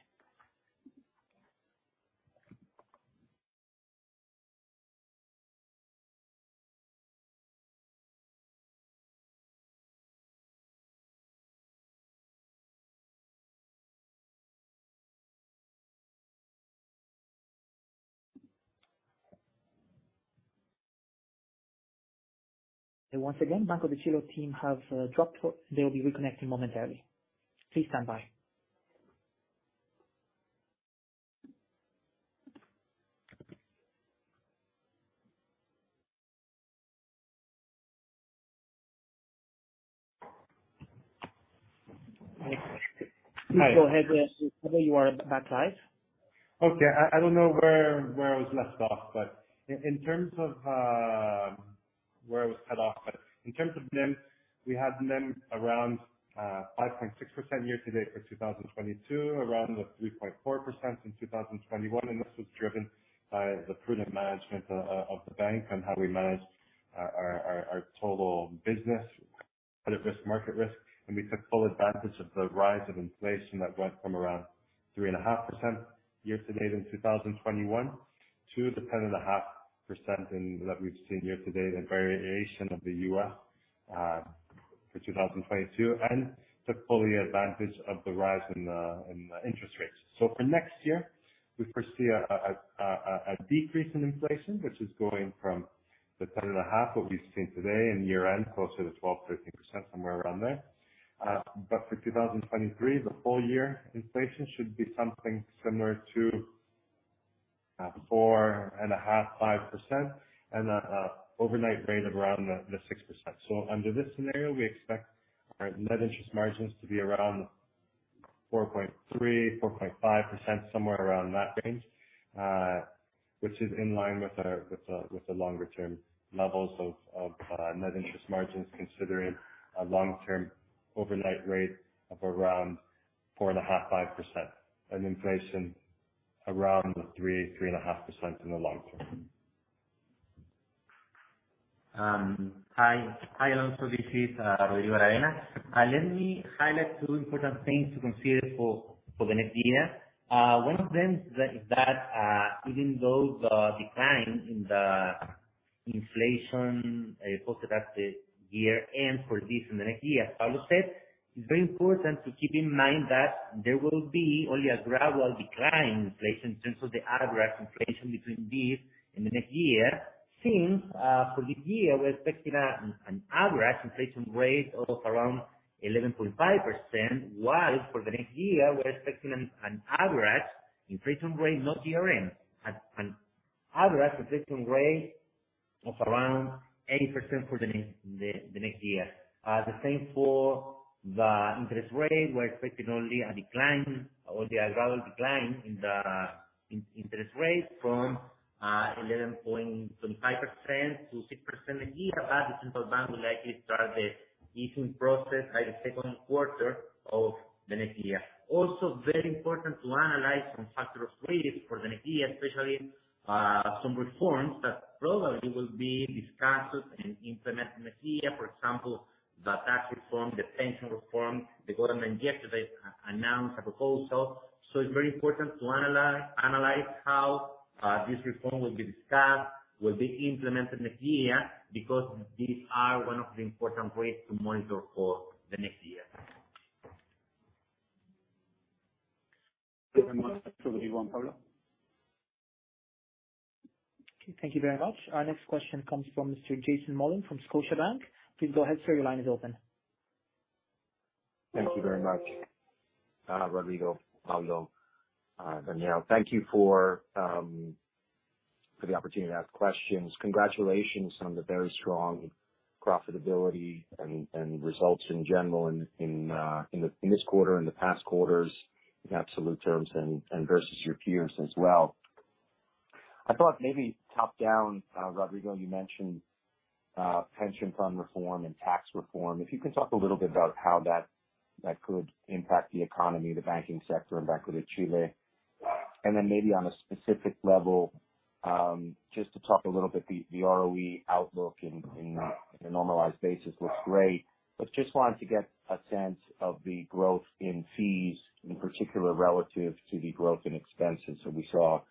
Once again, Banco de Chile team have dropped call. They'll be reconnecting momentarily. Please stand by. Hi. Please go ahead, yes. Pablo, you are back live. Okay. I don't know where I was last off, but in terms of NIM, we had NIM around 5.6% year-to-date for 2022, around the 3.4% in 2021, and this was driven by the prudent management of the bank and how we managed our total business credit risk, market risk. We took full advantage of the rise of inflation that went from around 3.5% year-to-date in 2021 to the 10.5% that we've seen year-to-date, the variation of the UF for 2022, and took full advantage of the rise in the interest rates. For next year, we foresee a decrease in inflation, which is going from the 10.5% what we've seen today, and year-end closer to 12%-13%, somewhere around there. For 2023, the full year inflation should be something similar to 4.5%-5% and an overnight rate of around the 6%. Under this scenario, we expect our net interest margins to be around 4.3%-4.5%, somewhere around that range, which is in line with the longer term levels of net interest margins, considering a long term overnight rate of around 4.5%-5% and inflation around the 3%-3.5% in the long term. Hi Alonso, this is Rodrigo Aravena. Let me highlight two important things to consider for the next year. One of them is that even though the decline in the inflation posted at the year end for this and the next year, as Pablo said, it's very important to keep in mind that there will be only a gradual decline in inflation in terms of the average inflation between this and the next year since for this year we're expecting an average inflation rate of around 11.5%, while for the next year we're expecting an average inflation rate of around 80% for the next year. The same for the interest rate. We're expecting only a decline or the gradual decline in interest rates from 11.5% to 6% a year. The central bank will likely start the easing process by the second quarter of the next year. Also, very important to analyze some factor risks for the next year, especially some reforms that probably will be discussed and implemented next year. For example, the tax reform, the pension reform. The government yesterday announced a proposal. It's very important to analyze how this reform will be discussed, will be implemented next year, because these are one of the important ways to monitor for the next year. Thank you very much. Over to you, Pablo. Okay, thank you very much. Our next question comes from Mr. Jason Mollin from Scotiabank. Please go ahead, sir. Your line is open. Thank you very much, Rodrigo, Pablo, Daniela. Thank you for the opportunity to ask questions. Congratulations on the very strong profitability and results in general in this quarter, in the past quarters, in absolute terms, and versus your peers as well. I thought maybe top down, Rodrigo, you mentioned pension fund reform and tax reform. If you could talk a little bit about how that could impact the economy, the banking sector, and Banco de Chile. Then maybe on a specific level, just to talk a little bit, the ROE outlook in a normalized basis looks great, but just wanted to get a sense of the growth in fees, in particular relative to the growth in expenses. We saw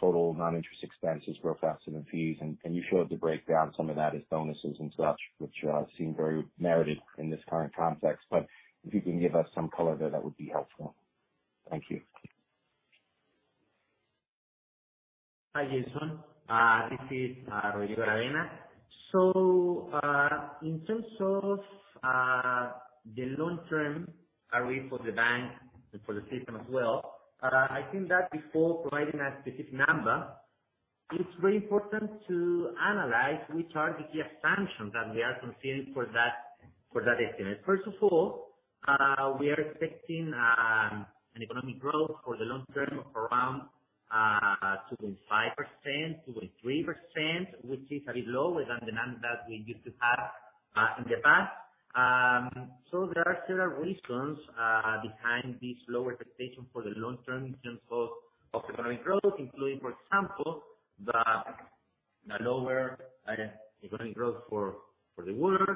total non-interest expenses grow faster than fees. You showed the breakdown, some of that is bonuses and such, which seem very merited in this current context. If you can give us some color there, that would be helpful. Thank you. Hi, Jason. This is Rodrigo Aravena. In terms of the long term ROE for the bank and for the system as well, I think that before providing a specific number, it's very important to analyze which are the key assumptions that we are considering for that estimate. First of all, we are expecting an economic growth for the long term of around 2.5%, 2.3%, which is a bit lower than the number that we used to have in the past. There are several reasons behind this lower expectation for the long term in terms of economic growth, including, for example, the lower economic growth for the world,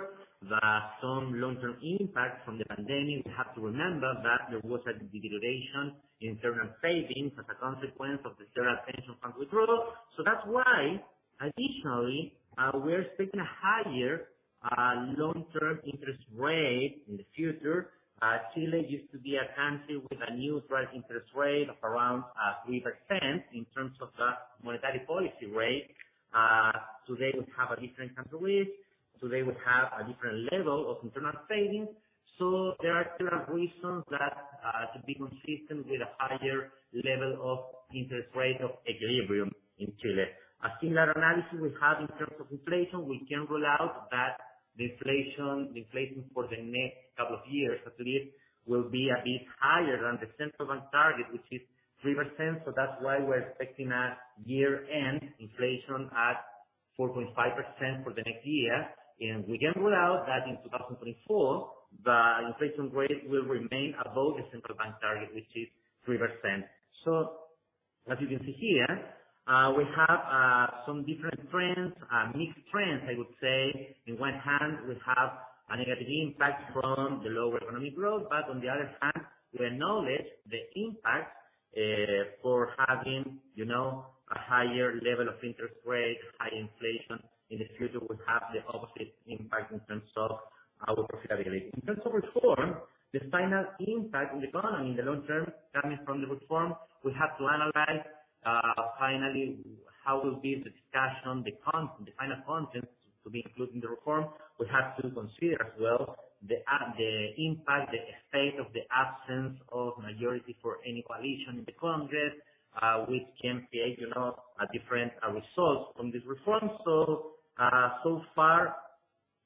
and some long term impact from the pandemic. We have to remember that there was a deterioration in internal savings as a consequence of the third pension fund withdrawal. That's why additionally, we're expecting a higher long term interest rate in the future. Chile used to be a country with a neutral interest rate of around 3% in terms of the monetary policy rate. They would have a different country risk, so they would have a different level of internal savings. There are clear reasons to be consistent with a higher level of interest rate of equilibrium in Chile. A similar analysis we have in terms of inflation, we can rule out that the inflation for the next couple of years at least, will be a bit higher than the central bank target, which is 3%. That's why we're expecting a year-end inflation at 4.5% for the next year. We can rule out that in 2024, the inflation rate will remain above the central bank target, which is 3%. As you can see here, we have some different trends, mixed trends, I would say. On one hand, we have a negative impact from the lower economic growth, but on the other hand, we acknowledge the impact for having, you know, a higher level of interest rates, high inflation. In the future, we have the opposite impact in terms of our profitability. In terms of reform, the final impact in the economy in the long term coming from the reform, we have to analyze finally, how will be the discussion, the final content to be included in the reform. We have to consider as well the impact, the effect of the absence of majority for any coalition in the Congress, which can create, you know, a different results from this reform. So far,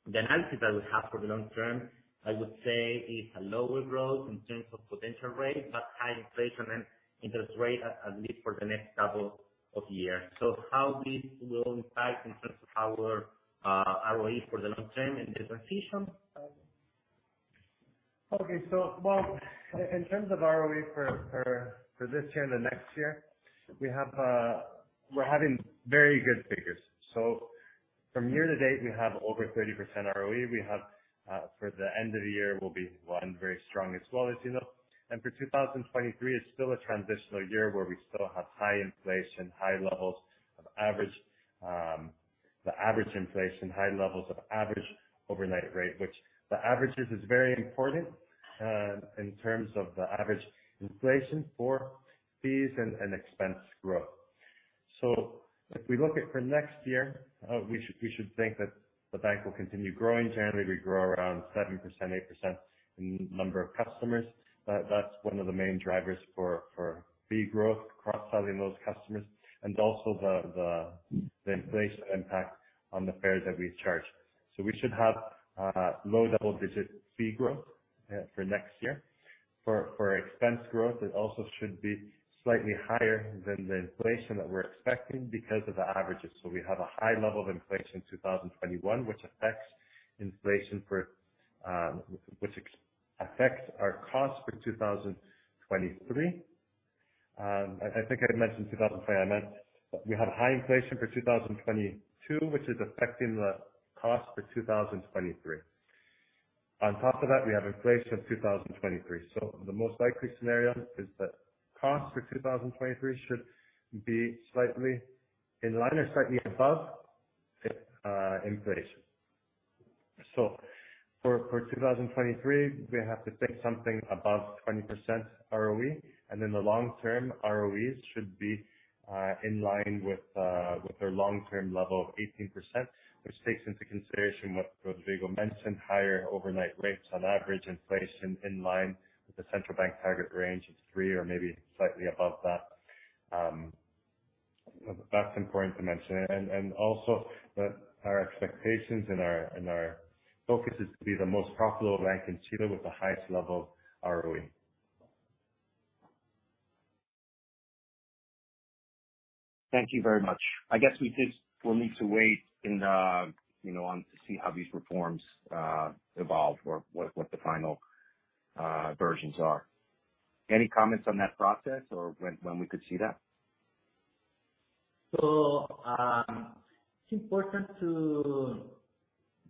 the analysis that we have for the long term, I would say is a lower growth in terms of potential rate, but high inflation and interest rate, at least for the next couple of years. How this will impact in terms of our ROE for the long term in this transition? Okay. Well, in terms of ROE for this year and the next year, we're having very good figures. From year-to-date, we have over 30% ROE. For the end of the year, it will be one, very strong as well, as you know. For 2023, it's still a transitional year where we still have high inflation, high levels of average inflation, high levels of average overnight rate, which the average is very important in terms of the average inflation for fees and expense growth. If we look at next year, we should think that the bank will continue growing. Generally, we grow around 7%, 8% in number of customers. That's one of the main drivers for fee growth, cross-selling those customers. Also the inflation impact on the fees that we charge. We should have low double-digit fee growth for next year. For expense growth, it also should be slightly higher than the inflation that we're expecting because of the averages. We have a high level of inflation in 2021, which affects our costs for 2023. I think I mentioned. I meant we have high inflation for 2022, which is affecting the cost for 2023. On top of that, we have inflation in 2023. The most likely scenario is that costs for 2023 should be slightly in line or slightly above inflation. For 2023, we have to think something above 20% ROE, and in the long term, ROEs should be in line with their long-term level of 18%, which takes into consideration what Rodrigo mentioned, higher overnight rates on average inflation in line with the central bank target range of 3% or maybe slightly above that. That's important to mention. Our expectations and our focus is to be the most profitable bank in Chile with the highest level of ROE. Thank you very much. I guess we just will need to wait and, you know, to see how these reforms evolve or what the final versions are. Any comments on that process or when we could see that? It's important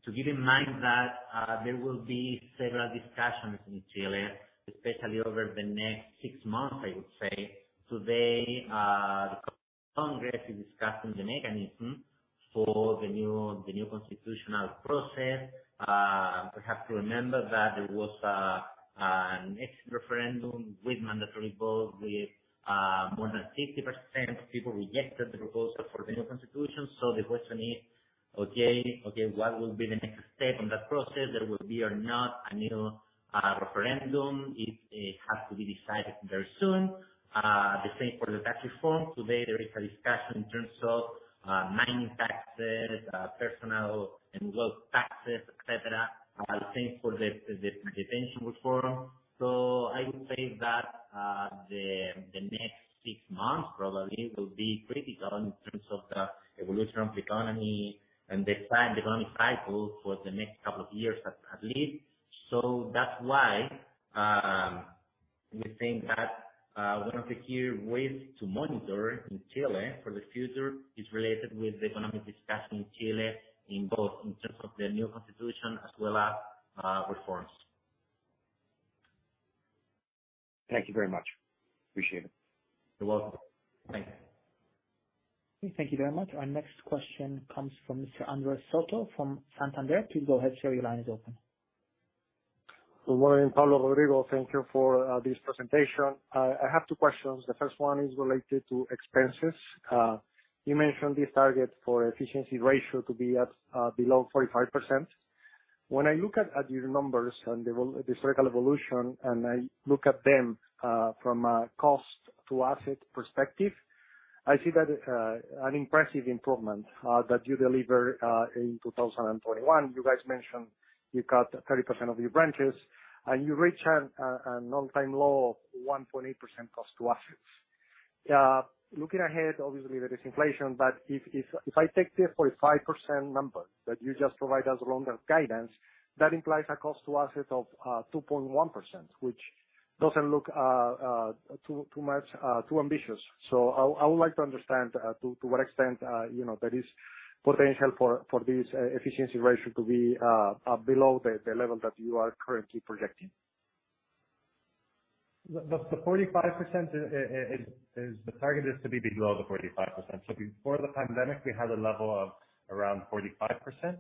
to keep in mind that there will be several discussions in Chile, especially over the next six months, I would say. Today, the Congress is discussing the mechanism for the new constitutional process. We have to remember that there was an exit referendum with mandatory vote with more than 50% of people rejected the proposal for the new constitution. The question is, okay, what will be the next step on that process? There will be or not a new referendum if it has to be decided very soon. The same for the tax reform. Today, there is a discussion in terms of mining taxes, personal income taxes, et cetera. Same for the pension reform. I would say that the next six months probably will be critical in terms of the evolution of the economy and the time the economy cycles for the next couple of years at least. That's why we think that one of the key ways to monitor in Chile for the future is related with the economic discussion in Chile, in both in terms of the new constitution as well as reforms. Thank you very much. Appreciate it. You're welcome. Thank you. Okay, thank you very much. Our next question comes from Mr. Andres Soto from Santander. Please go ahead, sir. Your line is open. Good morning, Pablo, Rodrigo, thank you for this presentation. I have two questions. The first one is related to expenses. You mentioned this target for efficiency ratio to be at below 45%. When I look at your numbers and the historical evolution, and I look at them from a cost to asset perspective, I see that an impressive improvement that you deliver in 2021. You guys mentioned you cut 30% of your branches, and you reach a long time low of 1.8% cost to assets. Looking ahead, obviously there is inflation, but if I take the 45% number that you just provide as long-term guidance, that implies a cost to asset of 2.1%, which doesn't look too ambitious. I would like to understand to what extent, you know, there is potential for this efficiency ratio to be below the level that you are currently projecting. The 45% is the target to be below the 45%. Before the pandemic, we had a level of around 45%,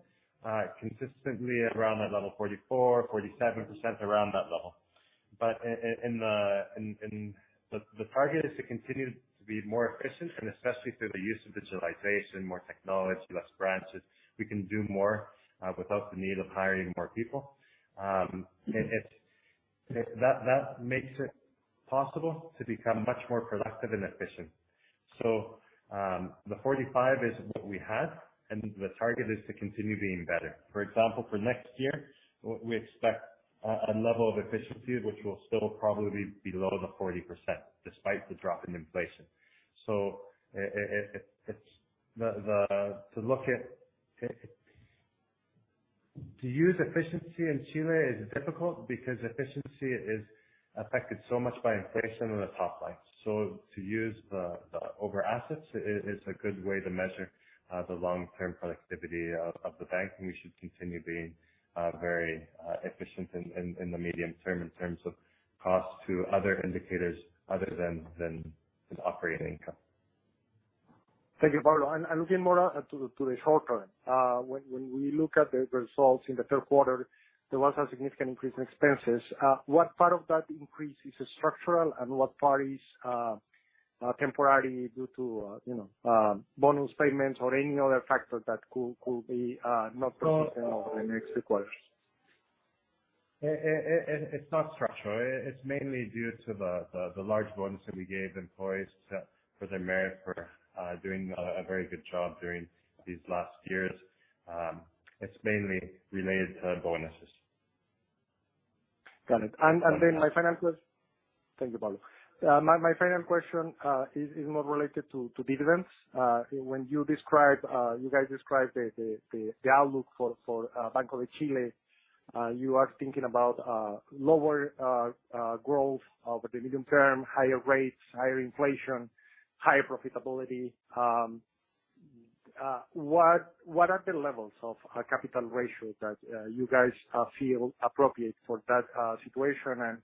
consistently around that level, 44, 47% around that level. The target is to continue to be more efficient, and especially through the use of digitalization, more technology, less branches. We can do more, without the need of hiring more people. That makes it possible to become much more productive and efficient. The 45% is what we had, and the target is to continue being better. For example, for next year, we expect a level of efficiency which will still probably be below the 40% despite the drop in inflation. To use efficiency in Chile is difficult because efficiency is affected so much by inflation on the top line. To use the ROA is a good way to measure the long-term productivity of the bank, and we should continue being very efficient in the medium term in terms of cost to other indicators other than operating income. Thank you, Pablo. Looking more to the short term, when we look at the results in the third quarter, there was a significant increase in expenses. What part of that increase is structural and what part is temporary due to you know, bonus payments or any other factor that could be not sustainable in the next quarters? It's not structural. It's mainly due to the large bonus that we gave employees for their merit for doing a very good job during these last years. It's mainly related to bonuses. Got it. Thank you, Pablo. My final question is more related to dividends. When you describe the outlook for Banco de Chile, you are thinking about lower growth over the medium term, higher rates, higher inflation, higher profitability. What are the levels of capital ratio that you guys feel appropriate for that situation?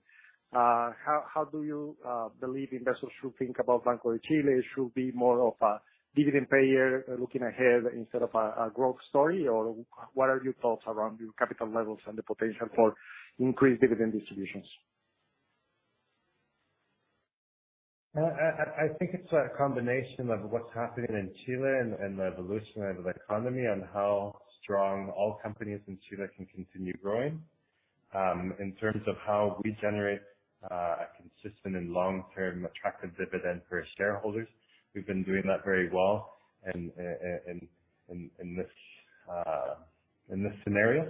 How do you believe investors should think about Banco de Chile? Should be more of a dividend payer looking ahead instead of a growth story? Or what are your thoughts around your capital levels and the potential for increased dividend distributions? I think it's a combination of what's happening in Chile and the evolution of the economy and how strong all companies in Chile can continue growing. In terms of how we generate a consistent and long-term attractive dividend for shareholders, we've been doing that very well. In this scenario,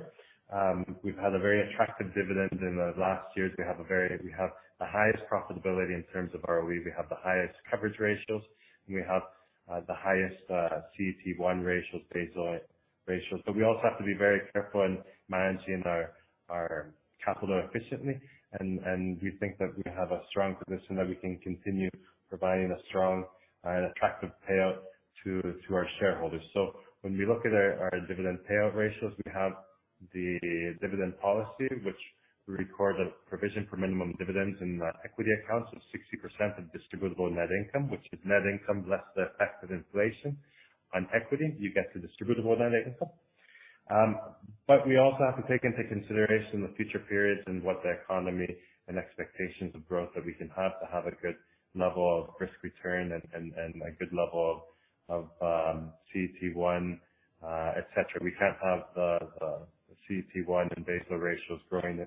we've had a very attractive dividend in the last years. We have the highest profitability in terms of ROE. We have the highest coverage ratios, and we have the highest CET1 ratios, Basel ratios. We also have to be very careful in managing our capital efficiently. We think that we have a strong position that we can continue providing a strong and attractive payout to our shareholders. When we look at our dividend payout ratios, we have the dividend policy which we record a provision for minimum dividends in the equity accounts of 60% of distributable net income, which is net income less the effect of inflation on equity, you get the distributable net income. We also have to take into consideration the future periods and what the economy and expectations of growth that we can have to have a good level of risk return and a good level of CET1, et cetera. We can't have the CET1 and Basel ratios growing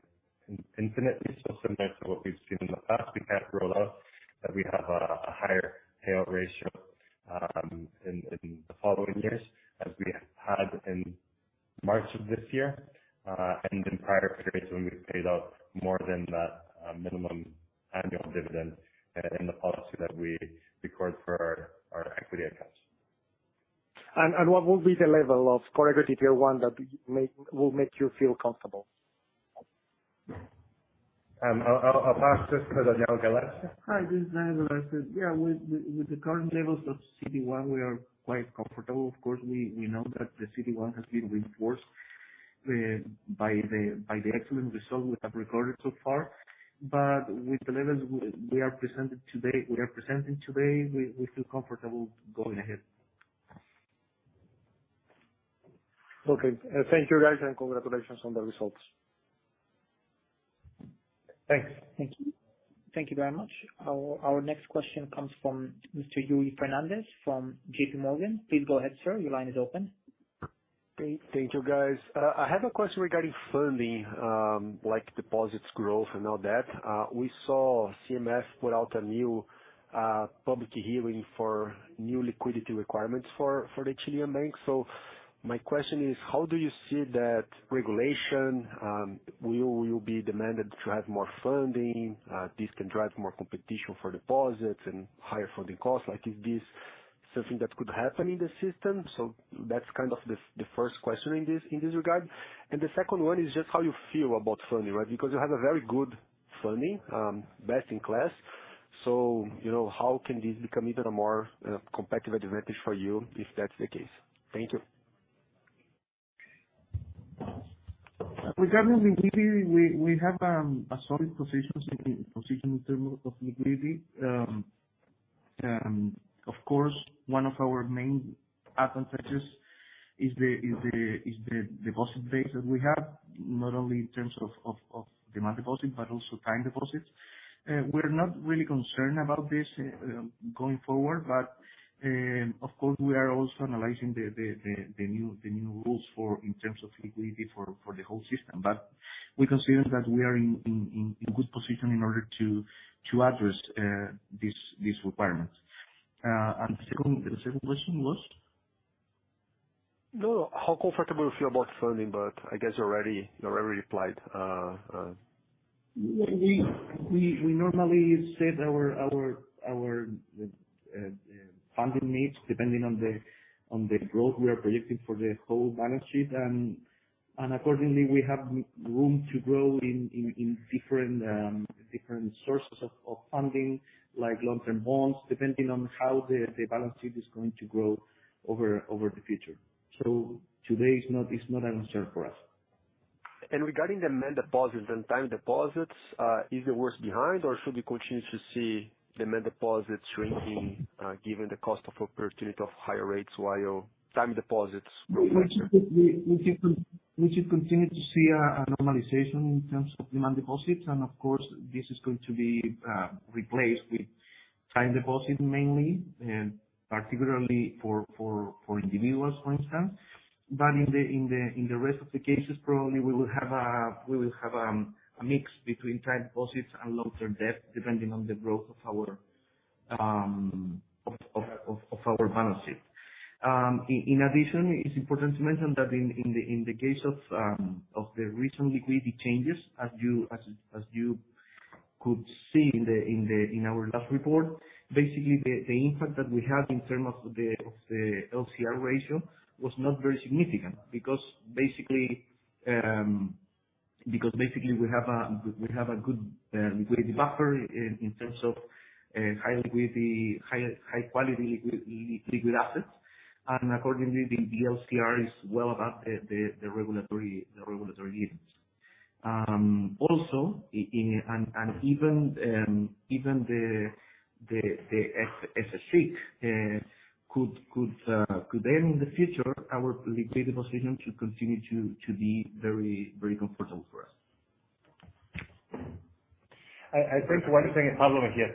infinitely. Similar to what we've seen in the past, we can't rule out that we have a higher payout ratio in the following years as we had in March of this year, and in prior periods when we paid out more than the minimum annual dividend in the policy that we record for our equity accounts. What will be the level of Core Equity Tier 1 that will make you feel comfortable? I'll pass this to Daniel Galarce. Hi, this is Daniel Galarce. Yeah, with the current levels of CET1 we are quite comfortable. Of course, we know that the CET1 has been reinforced by the excellent results we have recorded so far. With the levels we are presenting today, we feel comfortable going ahead. Okay. Thank you guys, and congratulations on the results. Thanks. Thank you. Thank you very much. Our next question comes from Mr. Yuri Fernandes from JPMorgan. Please go ahead, sir. Your line is open. Thank you guys. I have a question regarding funding, like deposits growth and all that. We saw CMF put out a new public hearing for new liquidity requirements for the Chilean bank. My question is, how do you see that regulation will be demanded to have more funding? This can drive more competition for deposits and higher funding costs. Like, is this something that could happen in the system? That's kind of the first question in this regard. The second one is just how you feel about funding, right? Because you have a very good funding, best in class. You know, how can this become even a more competitive advantage for you if that's the case? Thank you. Regarding liquidity, we have a solid position in terms of liquidity. Of course, one of our main advantages is the deposit base that we have, not only in terms of demand deposit, but also time deposits. We're not really concerned about this going forward. Of course, we are also analyzing the new rules in terms of liquidity for the whole system. We consider that we are in a good position in order to address these requirements. The second question was? No, how comfortable you feel about funding, but I guess you already replied. We normally set our funding needs depending on the growth we are projecting for the whole balance sheet. Accordingly, we have room to grow in different sources of funding like long-term bonds, depending on how the balance sheet is going to grow over the future. Today it's not a concern for us. Regarding the demand deposits and time deposits, is the worst behind or should we continue to see demand deposits shrinking, given the opportunity cost of higher rates while time deposits grow? We should continue to see a normalization in terms of demand deposits and of course, this is going to be replaced with time deposits mainly, and particularly for individuals, for instance. In the rest of the cases, probably we will have a mix between time deposits and long-term debt, depending on the growth of our balance sheet. In addition, it's important to mention that in the case of the recent liquidity changes, as you could see in our last report, basically the impact that we had in terms of the LCR ratio was not very significant. Because basically we have a good liquidity buffer in terms of high liquidity, high quality liquid assets. Accordingly, the LCR is well above the regulatory limits. Also, even the NSFR could then in the future our liquidity position to continue to be very comfortable for us. I think one thing, Pablo here.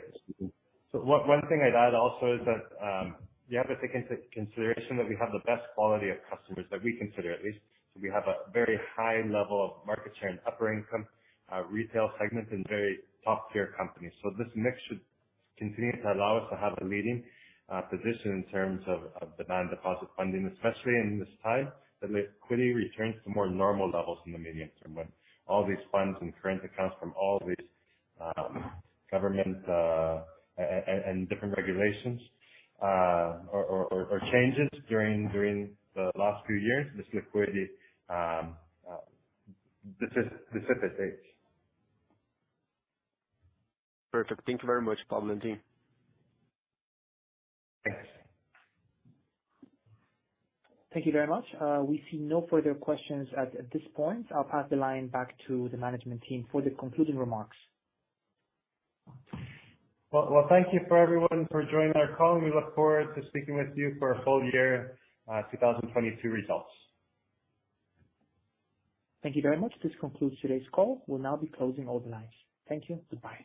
One thing I'd add also is that you have to take into consideration that we have the best quality of customers that we consider at least. We have a very high level of market share and upper income retail segment and very top-tier companies. This mix should continue to allow us to have the leading position in terms of demand deposit funding, especially in this time that liquidity returns to more normal levels in the medium term when all these funds and current accounts from all these government and different regulations or changes during the last few years, this liquidity dissipates. Perfect. Thank you very much, Pablo and team. Thanks. Thank you very much. We see no further questions at this point. I'll pass the line back to the management team for the concluding remarks. Well, thank you to everyone for joining our call. We look forward to speaking with you for our full year, 2022 results. Thank you very much. This concludes today's call. We'll now be closing all the lines. Thank you. Goodbye.